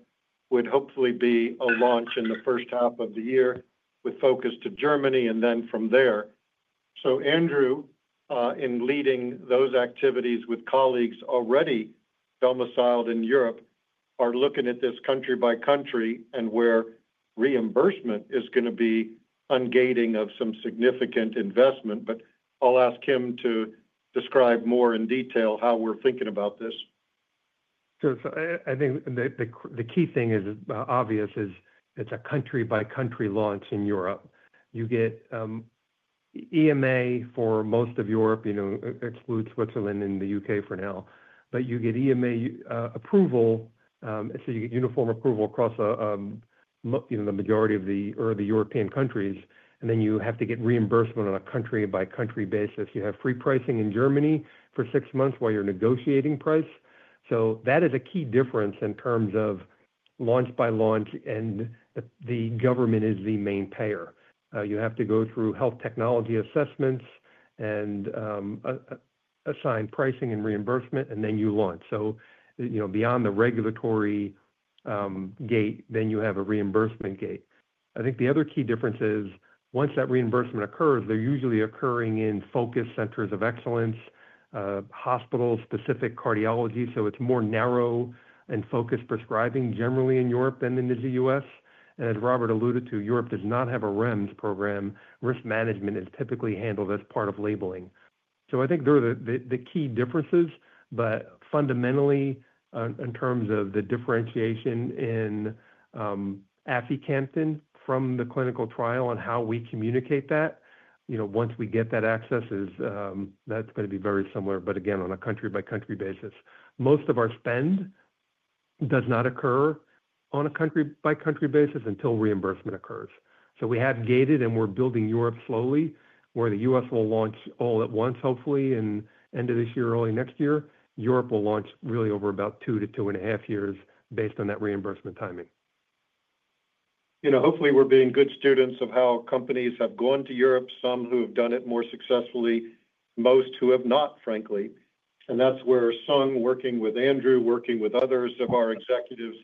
would hopefully be a launch in the first half of the year with focus to Germany and then from there. Andrew, in leading those activities with colleagues already domiciled in Europe, is looking at this country by country and where reimbursement is going to be ungating of some significant investment. I'll ask him to describe more in detail how we're thinking about this. Sure. I think the key thing is obvious is it's a country-by-country launch in Europe. You get EMA for most of Europe, you know, exclude Switzerland and the UK for now. You get EMA approval, so you get uniform approval across the majority of the European countries. Then you have to get reimbursement on a country-by-country basis. You have free pricing in Germany for six months while you're negotiating price. That is a key difference in terms of launch by launch, and the government is the main payer. You have to go through health technology assessments and assign pricing and reimbursement, then you launch. Beyond the regulatory gate, you have a reimbursement gate. I think the other key difference is once that reimbursement occurs, they're usually occurring in focused centers of excellence, hospital-specific cardiology. It's more narrow and focused prescribing generally in Europe than in the U.S. As Robert alluded to, Europe does not have a REMS program. Risk management is typically handled as part of labeling. I think those are the key differences. Fundamentally, in terms of the differentiation in aficamten from the clinical trial and how we communicate that, once we get that access, that's going to be very similar. Again, on a country-by-country basis. Most of our spend does not occur on a country-by-country basis until reimbursement occurs. We have gated, and we're building Europe slowly where the U.S. will launch all at once, hopefully, in the end of this year, early next year. Europe will launch really over about two to two and a half years based on that reimbursement timing. Hopefully, we're being good students of how companies have gone to Europe, some who have done it more successfully, most who have not, frankly. That's where Sung working with Andrew, working with others of our executives,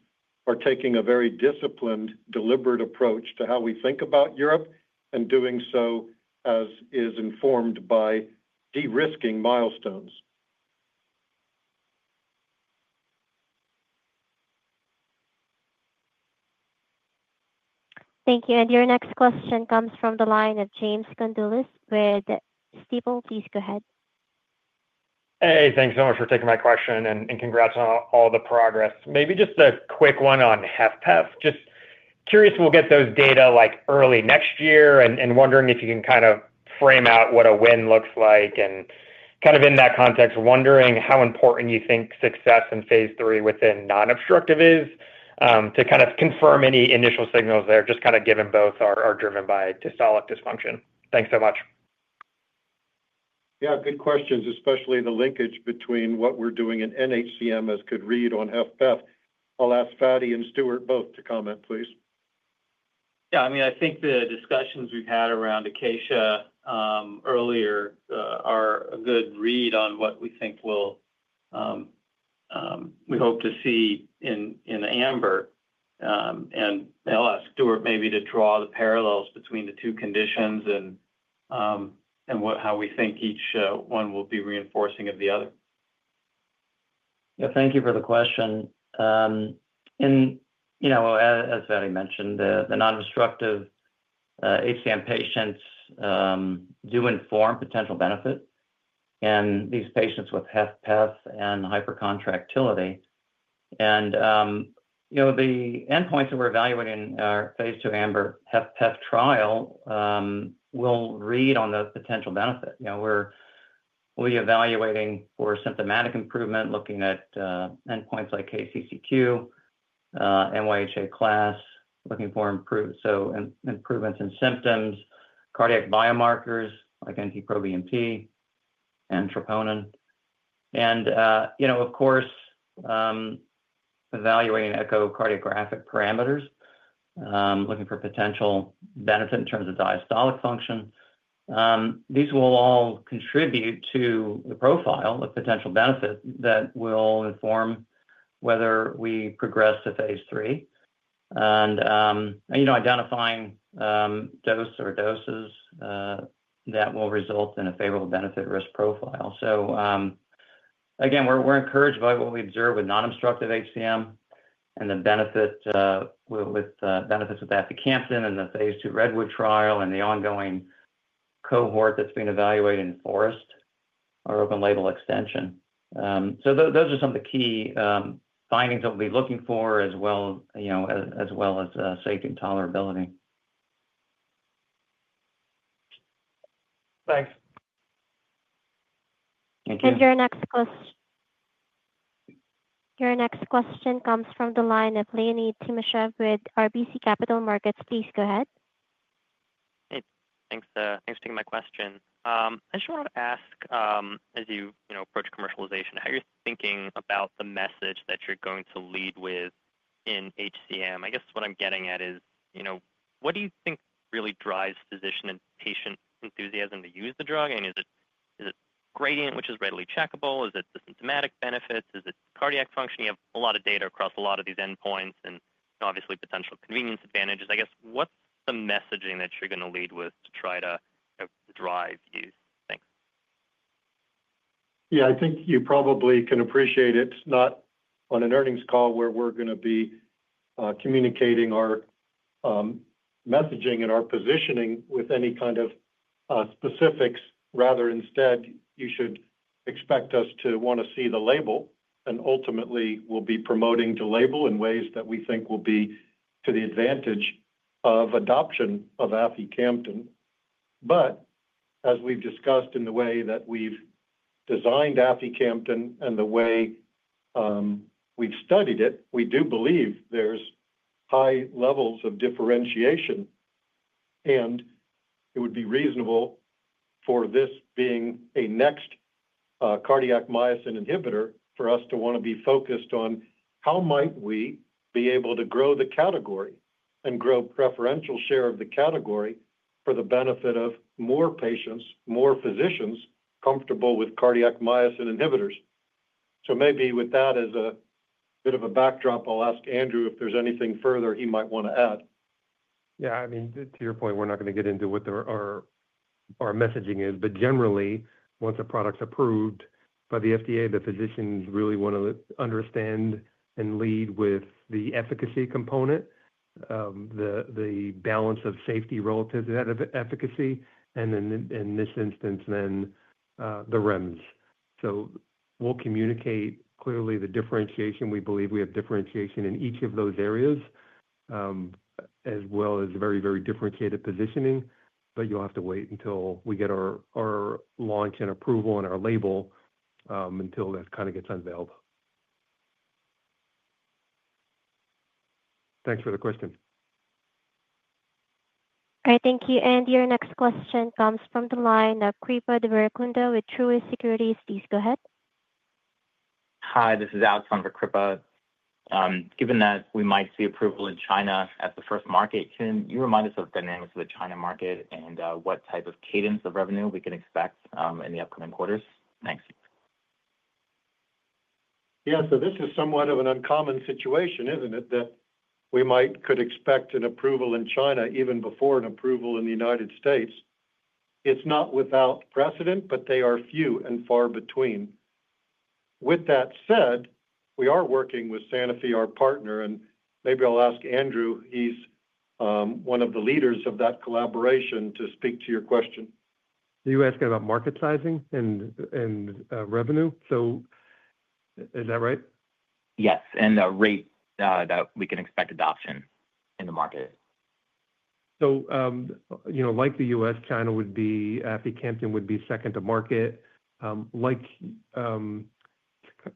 are taking a very disciplined, deliberate approach to how we think about Europe and doing so as is informed by de-risking milestones. Thank you. Your next question comes from the line of James Condulis with Stifel. Please go ahead. Hey, thanks so much for taking my question and congrats on all the progress. Maybe just a quick one on HFpEF. Just curious if we'll get those data early next year and wondering if you can kind of frame out what a win looks like. In that context, wondering how important you think success in Phase III within non-obstructive is to confirm any initial signals there, just given both are driven by systolic dysfunction. Thanks so much. Yeah, good questions, especially the linkage between what we're doing in nHCM as could read on HFpEF. I'll ask Fady and Stuart both to comment, please. Yeah. I mean, I think the discussions we've had around ACACIA earlier are a good read on what we think we'll, we hope to see in AMBER. I'll ask Stuart maybe to draw the parallels between the two conditions and how we think each one will be reinforcing of the other. Thank you for the question. As Fady mentioned, the non-obstructive HCM patients do inform potential benefit in these patients with HFpEF and hypercontractility. The endpoints that we're evaluating in our Phase II AMBER-HFpEF trial will read on the potential benefit. We're evaluating for symptomatic improvement, looking at endpoints like KCCQ, NYHA class, looking for improvements in symptoms, cardiac biomarkers like NT-proBNP and troponin. Of course, evaluating echocardiographic parameters, looking for potential benefit in terms of diastolic function. These will all contribute to the profile of potential benefit that will inform whether we progress to Phase III and identifying dose or doses that will result in a favorable benefit risk profile. We're encouraged by what we observe with non-obstructive HCM and the benefits with aficamten and the Phase II REDWOOD trial and the ongoing cohort that's being evaluated in FOREST, our open label extension. Those are some of the key findings that we'll be looking for as well, as well as safety and tolerability. Thanks. Your next question comes from the line of Leonid Timashev with RBC Capital Markets. Please go ahead. Hey. Thanks for taking my question. I just wanted to ask, as you approach commercialization, how you're thinking about the message that you're going to lead with in HCM? I guess what I'm getting at is, you know, what do you think really drives physician and patient enthusiasm to use the drug? I mean, is it gradient, which is readily checkable? Is it the symptomatic benefits? Is it cardiac function? You have a lot of data across a lot of these endpoints and obviously potential convenience advantages. I guess what's the messaging that you're going to lead with to try to drive these things? Yeah. I think you probably can appreciate it's not on an earnings call where we're going to be communicating our messaging and our positioning with any kind of specifics. Rather, instead, you should expect us to want to see the label and ultimately we'll be promoting to label in ways that we think will be to the advantage of adoption of aficamten. As we've discussed in the way that we've designed aficamten and the way we've studied it, we do believe there's high levels of differentiation. It would be reasonable for this being a next cardiac myosin inhibitor for us to want to be focused on how might we be able to grow the category and grow preferential share of the category for the benefit of more patients, more physicians comfortable with cardiac myosin inhibitors. Maybe with that as a bit of a backdrop, I'll ask Andrew if there's anything further he might want to add. Yeah. I mean, to your point, we're not going to get into what our messaging is. Generally, once a product's approved by the FDA, the physicians really want to understand and lead with the efficacy component, the balance of safety relative to that efficacy, and then in this instance, the REMS. We'll communicate clearly the differentiation. We believe we have differentiation in each of those areas, as well as very, very differentiated positioning. You'll have to wait until we get our launch and approval and our label until that kind of gets unveiled. Thanks for the question. All right. Thank you. Your next question comes from the line of Kripa Deverakonda with Truist Securities. Please go ahead. Hi. This is Alex on for Kripa. Given that we might see approval in China as the first market, can you remind us of the dynamics of the China market and what type of cadence of revenue we can expect in the upcoming quarters? Thanks. This is somewhat of an uncommon situation, isn't it, that we might expect an approval in China even before an approval in the United States? It's not without precedent, but they are few and far between. With that said, we are working with Sanofi, our partner. Maybe I'll ask Andrew, he's one of the leaders of that collaboration, to speak to your question. You asked about market sizing and revenue. Is that right? Yes, and the rate that we can expect adoption in the market. Like the U.S., China would be aficamten would be second to market.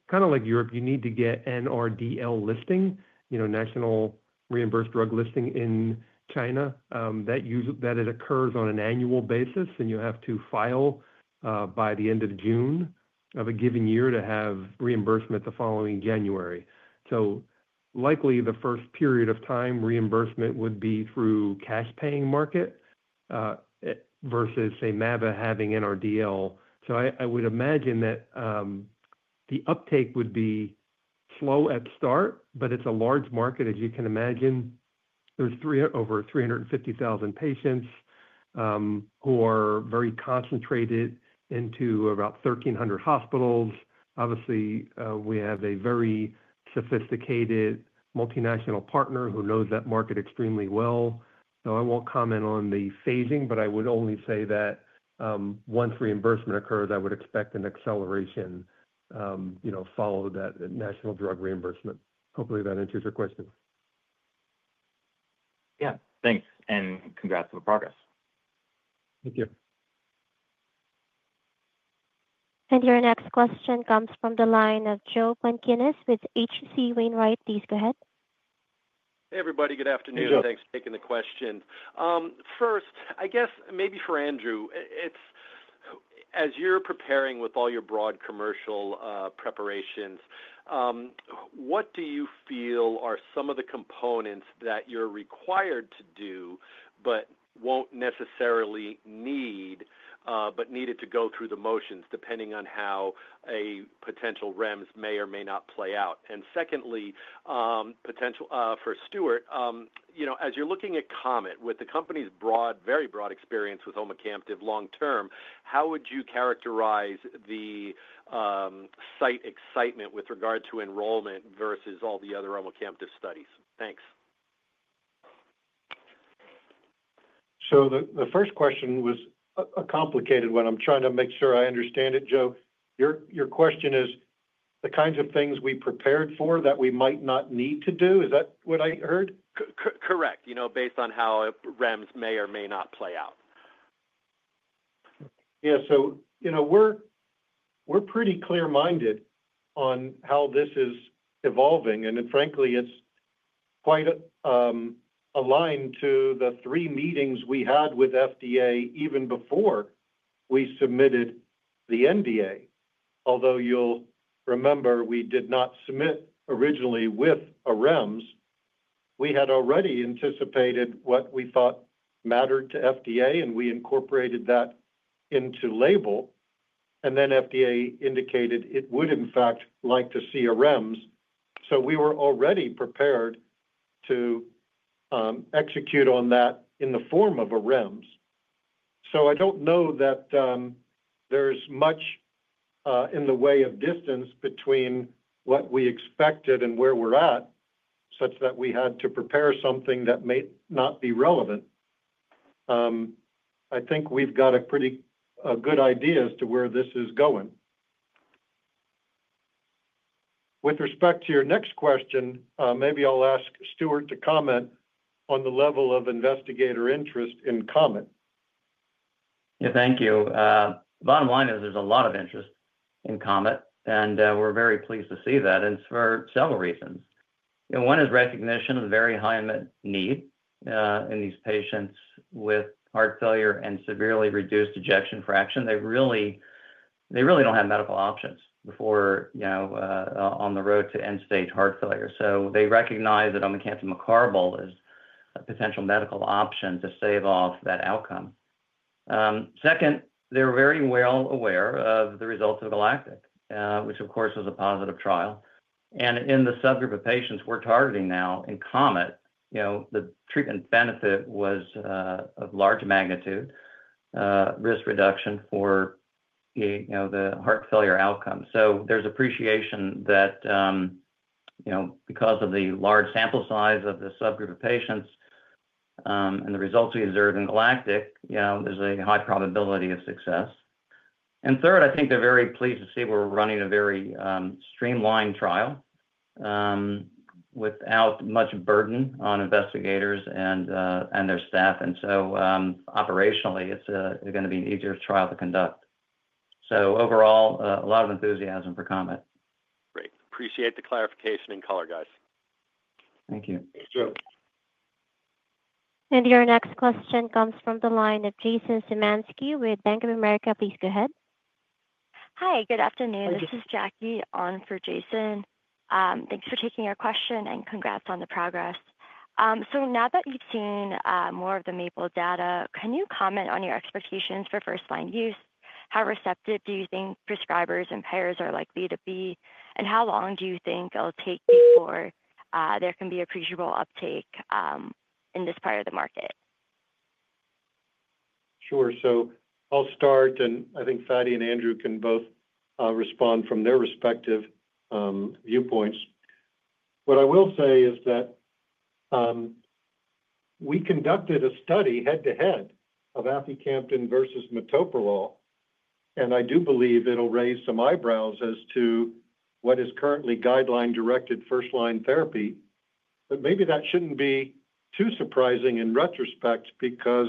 Kind of like Europe, you need to get NRDL listing, you know, National Reimbursed Drug Listing in China. That usually occurs on an annual basis, and you have to file by the end of June of a given year to have reimbursement the following January. Likely, the first period of time reimbursement would be through cash-paying market versus, say, mava having NRDL. I would imagine that the uptake would be slow at start, but it's a large market. As you can imagine, there's over 350,000 patients who are very concentrated into about 1,300 hospitals. Obviously, we have a very sophisticated multinational partner who knows that market extremely well. I won't comment on the phasing, but I would only say that once reimbursement occurs, I would expect an acceleration followed by that national drug reimbursement. Hopefully, that answers your question. Yeah, thanks. Congrats on the progress. Thank you. Your next question comes from the line of Joe Pantginis with HC Wainwright. Please go ahead. Hey, everybody. Good afternoon. Thanks for taking the question. First, I guess maybe for Andrew, as you're preparing with all your broad commercial preparations, what do you feel are some of the components that you're required to do but won't necessarily need, but needed to go through the motions depending on how a potential REMS may or may not play out? Secondly, potential for Stuart, you know, as you're looking at COMET with the company's broad, very broad experience with omecamtiv mecarbil long-term, how would you characterize the site excitement with regard to enrollment versus all the other omecamtiv mecarbil studies? Thanks. The first question was a complicated one. I'm trying to make sure I understand it, Joe. Your question is the kinds of things we prepared for that we might not need to do. Is that what I heard? Correct. You know, based on how REMS may or may not play out. Yeah. You know, we're pretty clear-minded on how this is evolving. Frankly, it's quite aligned to the three meetings we had with FDA even before we submitted the NDA. Although you'll remember, we did not submit originally with a REMS. We had already anticipated what we thought mattered to FDA, and we incorporated that into label. FDA indicated it would, in fact, like to see a REMS. We were already prepared to execute on that in the form of a REMS. I don't know that there's much in the way of distance between what we expected and where we're at, such that we had to prepare something that may not be relevant. I think we've got a pretty good idea as to where this is going. With respect to your next question, maybe I'll ask Stuart to comment on the level of investigator interest in COMET. Yeah. Thank you. Bottom line is there's a lot of interest in COMET, and we're very pleased to see that, and it's for several reasons. One is recognition of the very high need in these patients with heart failure and severely reduced ejection fraction. They really. They really don't have medical options before, you know, on the road to end-stage heart failure. They recognize that omecamtiv mecarbil is a potential medical option to stave off that outcome. Second, they're very well aware of the results of GALACTIC, which of course was a positive trial. In the subgroup of patients we're targeting now in COMET, the treatment benefit was of large magnitude, risk reduction for the heart failure outcome. There's appreciation that, because of the large sample size of the subgroup of patients and the results we observed in GALACTIC, there's a high probability of success. Third, I think they're very pleased to see we're running a very streamlined trial without much burden on investigators and their staff. Operationally, it's going to be an easier trial to conduct. Overall, a lot of enthusiasm for COMET. Great. Appreciate the clarification and color, guys. Thank you. Thanks, Joe. Your next question comes from the line of Jason Szymanski with Bank of America. Please go ahead. Hi, good afternoon. This is Jackie on for Jason. Thanks for taking your question and congrats on the progress. Now that you've seen more of the MAPLE data, can you comment on your expectations for first-line use? How receptive do you think prescribers and payers are likely to be, and how long do you think it'll take before there can be appreciable uptake in this part of the market? Sure. I'll start, and I think Fady and Andrew can both respond from their respective viewpoints. What I will say is that we conducted a study head-to-head of aficamten versus metoprolol, and I do believe it'll raise some eyebrows as to what is currently guideline-directed first-line therapy. Maybe that shouldn't be too surprising in retrospect because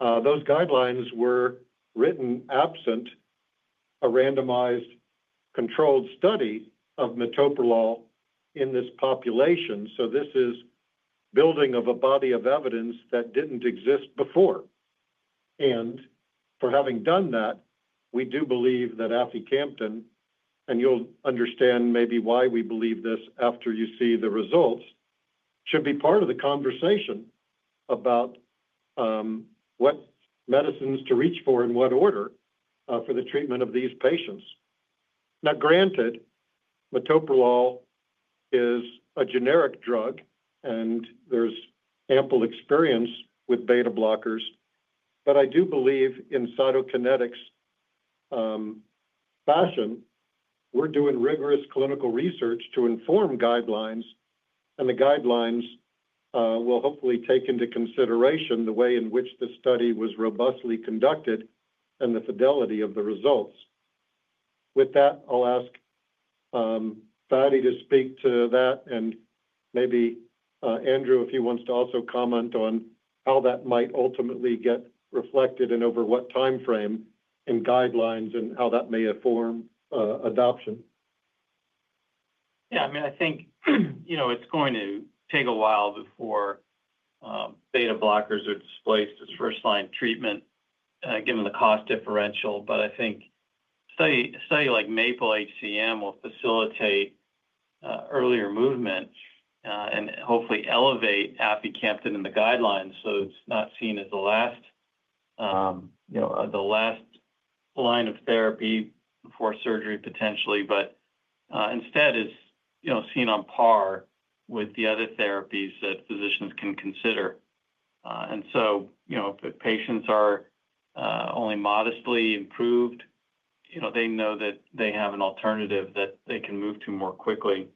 those guidelines were written absent a randomized controlled study of metoprolol in this population. This is building a body of evidence that didn't exist before. For having done that, we do believe that aficamten, and you'll understand maybe why we believe this after you see the results, should be part of the conversation about what medicines to reach for and what order for the treatment of these patients. Now, granted, metoprolol is a generic drug, and there's ample experience with beta-blockers, but I do believe in Cytokinetics fashion, we're doing rigorous clinical research to inform guidelines, and the guidelines will hopefully take into consideration the way in which the study was robustly conducted and the fidelity of the results. With that, I'll ask Fady to speak to that and maybe Andrew, if he wants to also comment on how that might ultimately get reflected and over what timeframe in guidelines and how that may inform adoption. Yeah, I mean, I think it's going to take a while before beta-blockers are displaced as first-line treatment given the cost differential. I think a study like MAPLE-HCM will facilitate earlier movement and hopefully elevate aficamten in the guidelines so it's not seen as the last, you know, the last line of therapy before surgery potentially, but instead is, you know, seen on par with the other therapies that physicians can consider. If patients are only modestly improved, you know, they know that they have an alternative that they can move to more quickly.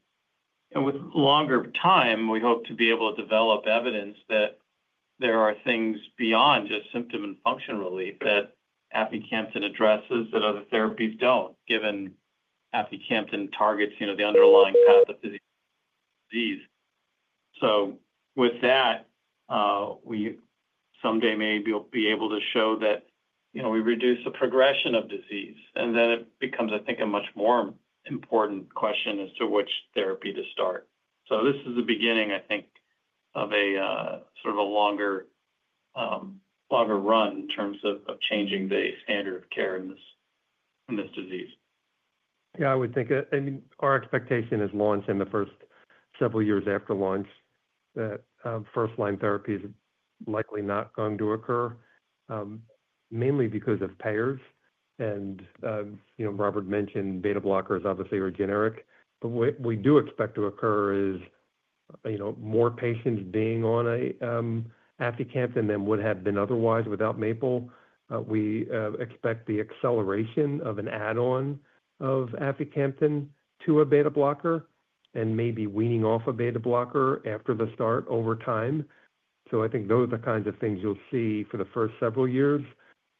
With longer time, we hope to be able to develop evidence that there are things beyond just symptom and function relief that aficamten addresses that other therapies don't given aficamten targets, you know, the underlying path of disease. With that, we someday may be able to show that, you know, we reduce the progression of disease. It becomes, I think, a much more important question as to which therapy to start. This is the beginning, I think, of a sort of a longer run in terms of changing the standard of care in this disease. Yeah, I would think it, I mean, our expectation is launch in the first several years after launch that first-line therapy is likely not going to occur, mainly because of payers. You know, Robert mentioned beta-blockers obviously are generic. What we do expect to occur is, you know, more patients being on aficamten than would have been otherwise without MAPLE. We expect the acceleration of an add-on of aficamten to a beta-blocker and maybe weaning off a beta-blocker after the start over time. I think those are the kinds of things you'll see for the first several years.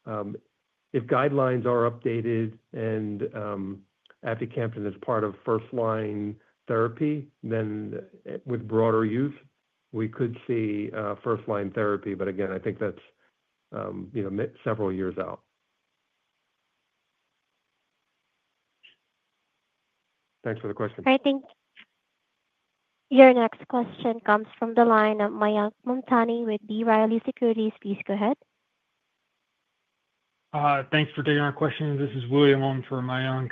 If guidelines are updated and aficamten is part of first-line therapy, then with broader use, we could see first-line therapy. Again, I think that's, you know, several years out. Thanks for the question. Okay, thank you. Your next question comes from the line of Mayank Mumtani with B Riley Securities. Please go ahead. Thanks for taking our question. This is William for Mayank.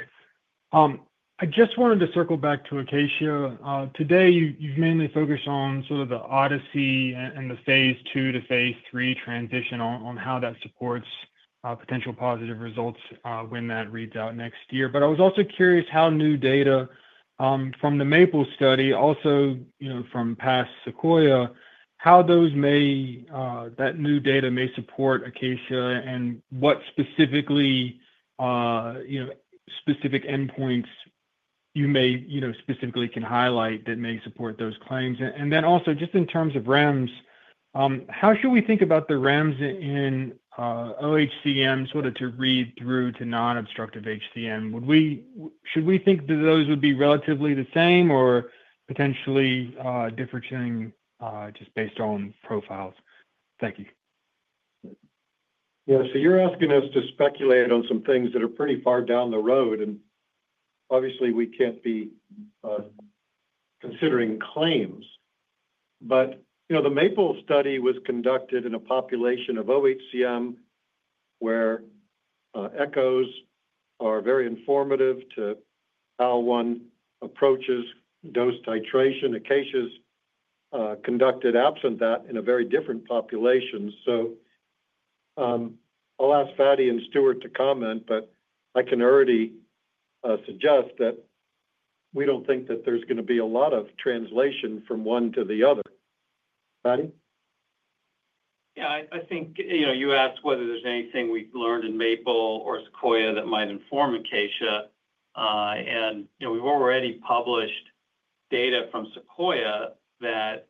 I just wanted to circle back to ACACIA. Today, you've mainly focused on sort of the ODYSSEY and the Phase II to Phase III transition on how that supports potential positive results when that reads out next year. I was also curious how new data from the MAPLE study, also from past SEQUOIA, how those may, that new data may support ACACIA and what specifically, specific endpoints you may, specifically can highlight that may support those claims. Also, just in terms of REMS, how should we think about the REMS in oHCM to read through to non-obstructive HCM? Should we think that those would be relatively the same or potentially differentiating just based on profiles? Thank you. You're asking us to speculate on some things that are pretty far down the road, and obviously we can't be considering claims. The MAPLE study was conducted in a population of oHCM where echos are very informative to how one approaches dose titration. ACACIA is conducted absent that in a very different population. I'll ask Fady and Stuart to comment, but I can already suggest that we don't think that there's going to be a lot of translation from one to the other. Fady? I think, you know, you asked whether there's anything we've learned in MAPLE or SEQUOIA that might inform ACACIA. We've already published data from SEQUOIA that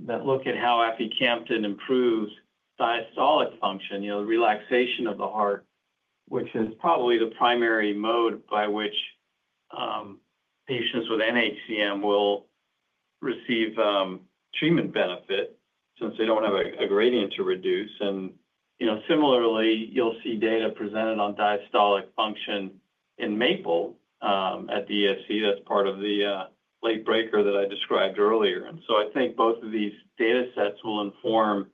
look at how aficamten improves diastolic function, you know, the relaxation of the heart, which is probably the primary mode by which patients with nHCM will receive treatment benefit since they don't have a gradient to reduce. Similarly, you'll see data presented on diastolic function in MAPLE at ESC. That's part of the late breaker that I described earlier. I think both of these data sets will inform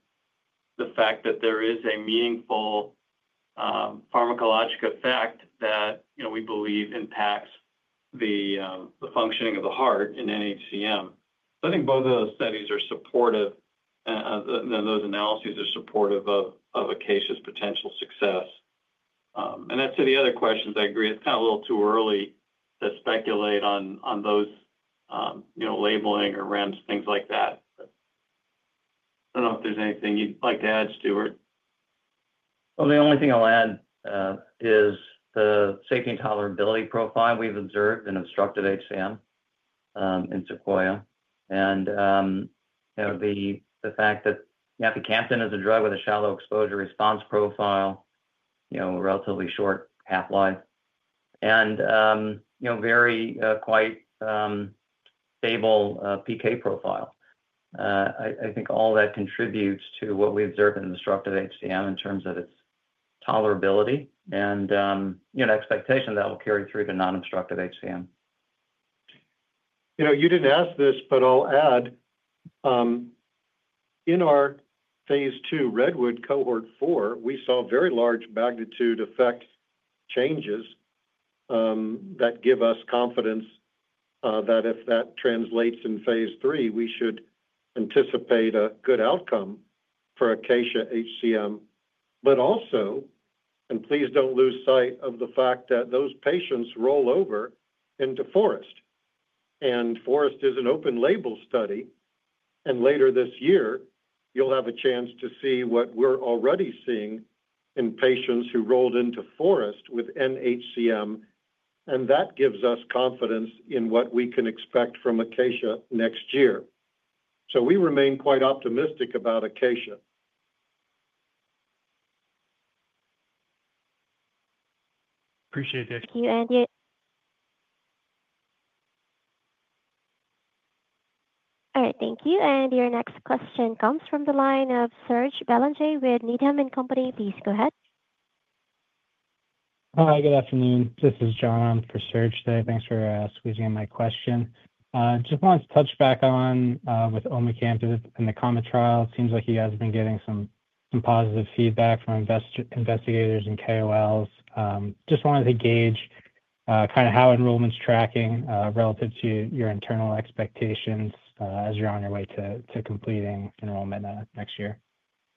the fact that there is a meaningful pharmacologic effect that, you know, we believe impacts the functioning of the heart in nHCM. I think both of those studies are supportive, and those analyses are supportive of ACACIA's potential success. As to the other questions, I agree it's kind of a little too early to speculate on those, you know, labeling or REMS, things like that. I don't know if there's anything you'd like to add, Stuart. The only thing I'll add is the safety and tolerability profile we've observed in obstructive HCM in SEQUOIA. The fact that aficamten is a drug with a shallow exposure response profile, relatively short half-life, and very quite stable PK profile, I think all that contributes to what we observe in obstructive HCM in terms of its tolerability and the expectation that will carry through to non-obstructive HCM. You know, you didn't ask this, but I'll add, in our Phase II REDWOOD Cohort 4, we saw very large magnitude effect changes that give us confidence that if that translates in Phase III, we should anticipate a good outcome for ACACIA-HCM. Also, please don't lose sight of the fact that those patients roll over into FOREST. FOREST is an open-label study. Later this year, you'll have a chance to see what we're already seeing in patients who rolled into FOREST with nHCM. That gives us confidence in what we can expect from ACACIA next year. We remain quite optimistic about ACACIA. Appreciate that. Thank you, Andy. All right, thank you. Your next question comes from the line of Serge Bellajee with Needham and Company. Please go ahead. Hi, good afternoon. This is John. I'm for Serge today. Thanks for squeezing in my question. I just wanted to touch back on with omecamtiv and the COMET trial. It seems like you guys have been getting some positive feedback from investigators and KOLs. Just wanted to gauge kind of how enrollment's tracking relative to your internal expectations as you're on your way to completing enrollment next year.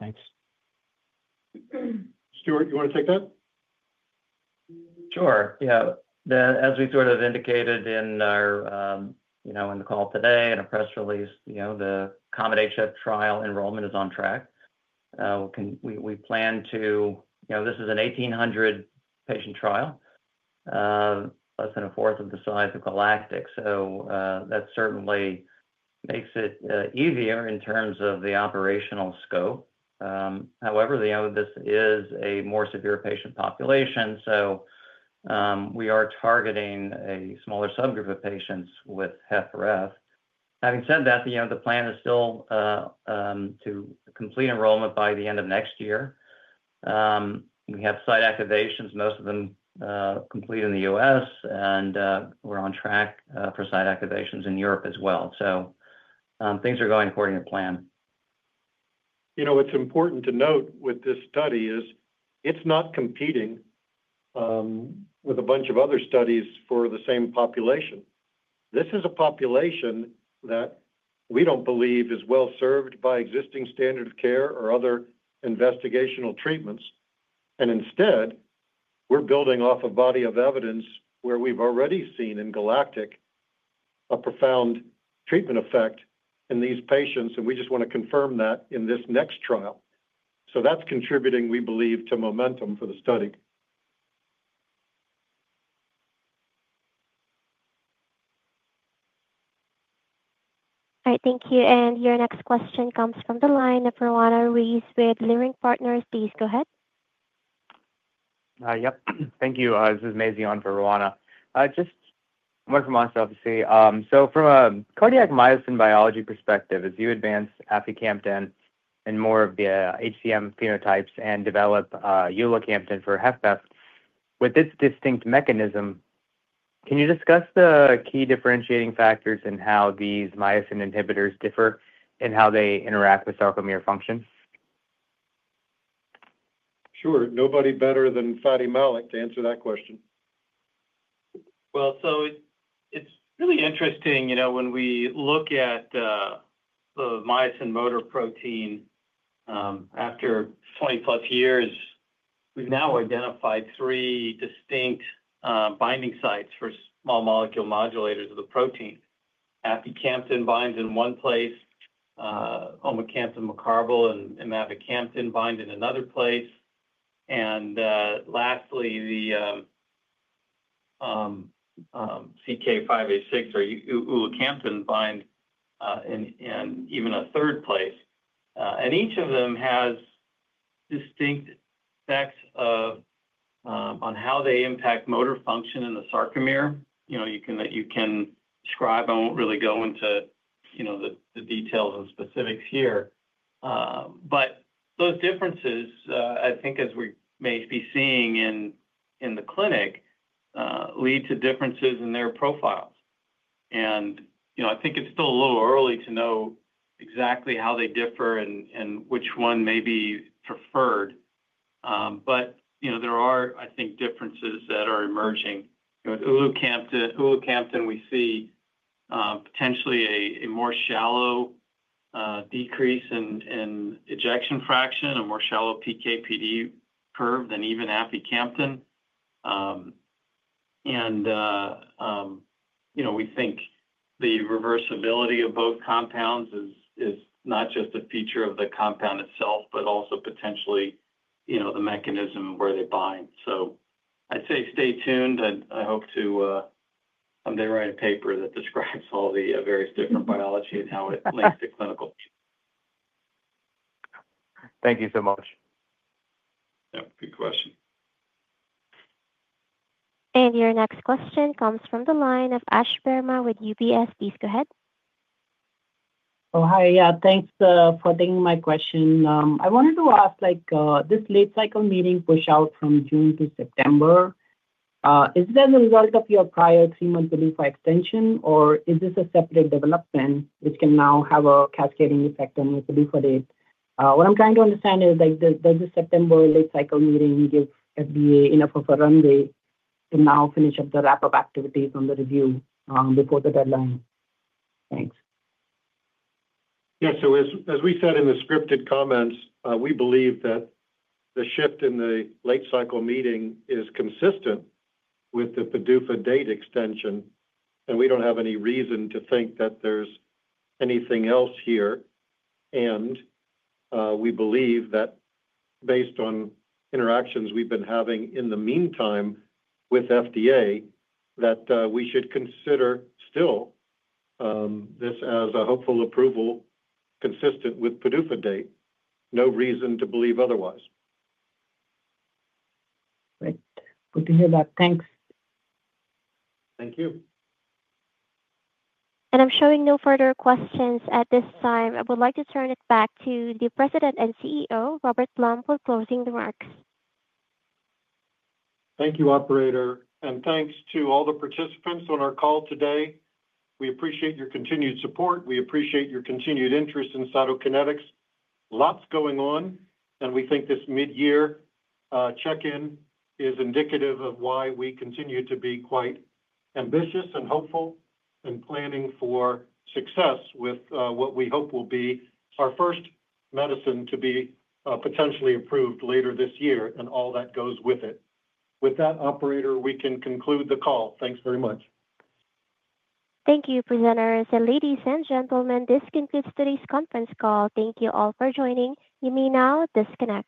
Thanks. Stuart, you want to take that? Sure. As we sort of indicated in our call today and a press release, the COMET-HF trial enrollment is on track. We plan to, you know, this is an 1,800-patient trial, less than 1/4 of the size of GALACTIC. That certainly makes it easier in terms of the operational scope. However, this is a more severe patient population. We are targeting a smaller subgroup of patients with HFrEF. Having said that, the plan is still to complete enrollment by the end of next year. We have site activations, most of them complete in the U.S., and we're on track for site activations in Europe as well. Things are going according to plan. You know, what's important to note with this study is it's not competing with a bunch of other studies for the same population. This is a population that we don't believe is well served by existing standard of care or other investigational treatments. Instead, we're building off a body of evidence where we've already seen in GALACTIC a profound treatment effect in these patients. We just want to confirm that in this next trial. That's contributing, we believe, to momentum for the study. All right, thank you. Your next question comes from the line of Rowana Ruiz with Leerink Partners. Please go ahead. Thank you. This is Maisie on for Rowana. From a cardiac myosin biology perspective, as you advance aficamten in more of the HCM phenotypes and develop ulacamten for HFpEF with its distinct mechanism, can you discuss the key differentiating factors in how these myosin inhibitors differ in how they interact with sarcomere function? Sure. Nobody better than Fady Malik to answer that question. It's really interesting, you know, when we look at the myosin motor protein, after 20+ years, we've now identified three distinct binding sites for small molecule modulators of the protein. Aficamten binds in one place, omecamtiv mecarbil and mavacamten bind in another place. Lastly, CK-586 or ulacamten bind in even a third place. Each of them has distinct effects on how they impact motor function in the sarcomere. You know, I won't really go into the details and specifics here. Those differences, I think, as we may be seeing in the clinic, lead to differences in their profiles. I think it's still a little early to know exactly how they differ and which one may be preferred. There are, I think, differences that are emerging. ulacamten, we see potentially a more shallow decrease in ejection fraction, a more shallow PK/PD curve than even aficamten. We think the reversibility of both compounds is not just a feature of the compound itself, but also potentially the mechanism where they bind. I'd say stay tuned. I hope to, I'm going to write a paper that describes all the various different biology and how it links to clinical. Thank you so much. Yeah, good question. Your next question comes from the line of Ash Verma with UBS. Please go ahead. Oh, hi. Yeah, thanks for taking my question. I wanted to ask, this late-cycle meeting push out from June to September, is that a result of your prior three-month relief extension, or is this a separate development which can now have a cascading effect on your relief date? What I'm trying to understand is, there's a September late-cycle meeting. We give FDA enough of a runway to now finish up the wrap-up activities on the review before the deadline. Thanks. As we said in the scripted comments, we believe that the shift in the late-cycle review meeting is consistent with the PDUFA date extension, and we don't have any reason to think that there's anything else here. We believe that based on interactions we've been having in the meantime with FDA, we should consider this as a hopeful approval consistent with the PDUFA date. No reason to believe otherwise. Great. Good to hear that. Thanks. Thank you. I'm showing no further questions at this time. I would like to turn it back to the President and CEO, Robert I. Blum, for closing remarks. Thank you, operator. Thank you to all the participants on our call today. We appreciate your continued support. We appreciate your continued interest in Cytokinetics. Lots going on, and we think this mid-year check-in is indicative of why we continue to be quite ambitious and hopeful in planning for success with what we hope will be our first medicine to be potentially approved later this year and all that goes with it. With that, operator, we can conclude the call. Thanks very much. Thank you, presenters. Ladies and gentlemen, this concludes today's conference call. Thank you all for joining. You may now disconnect.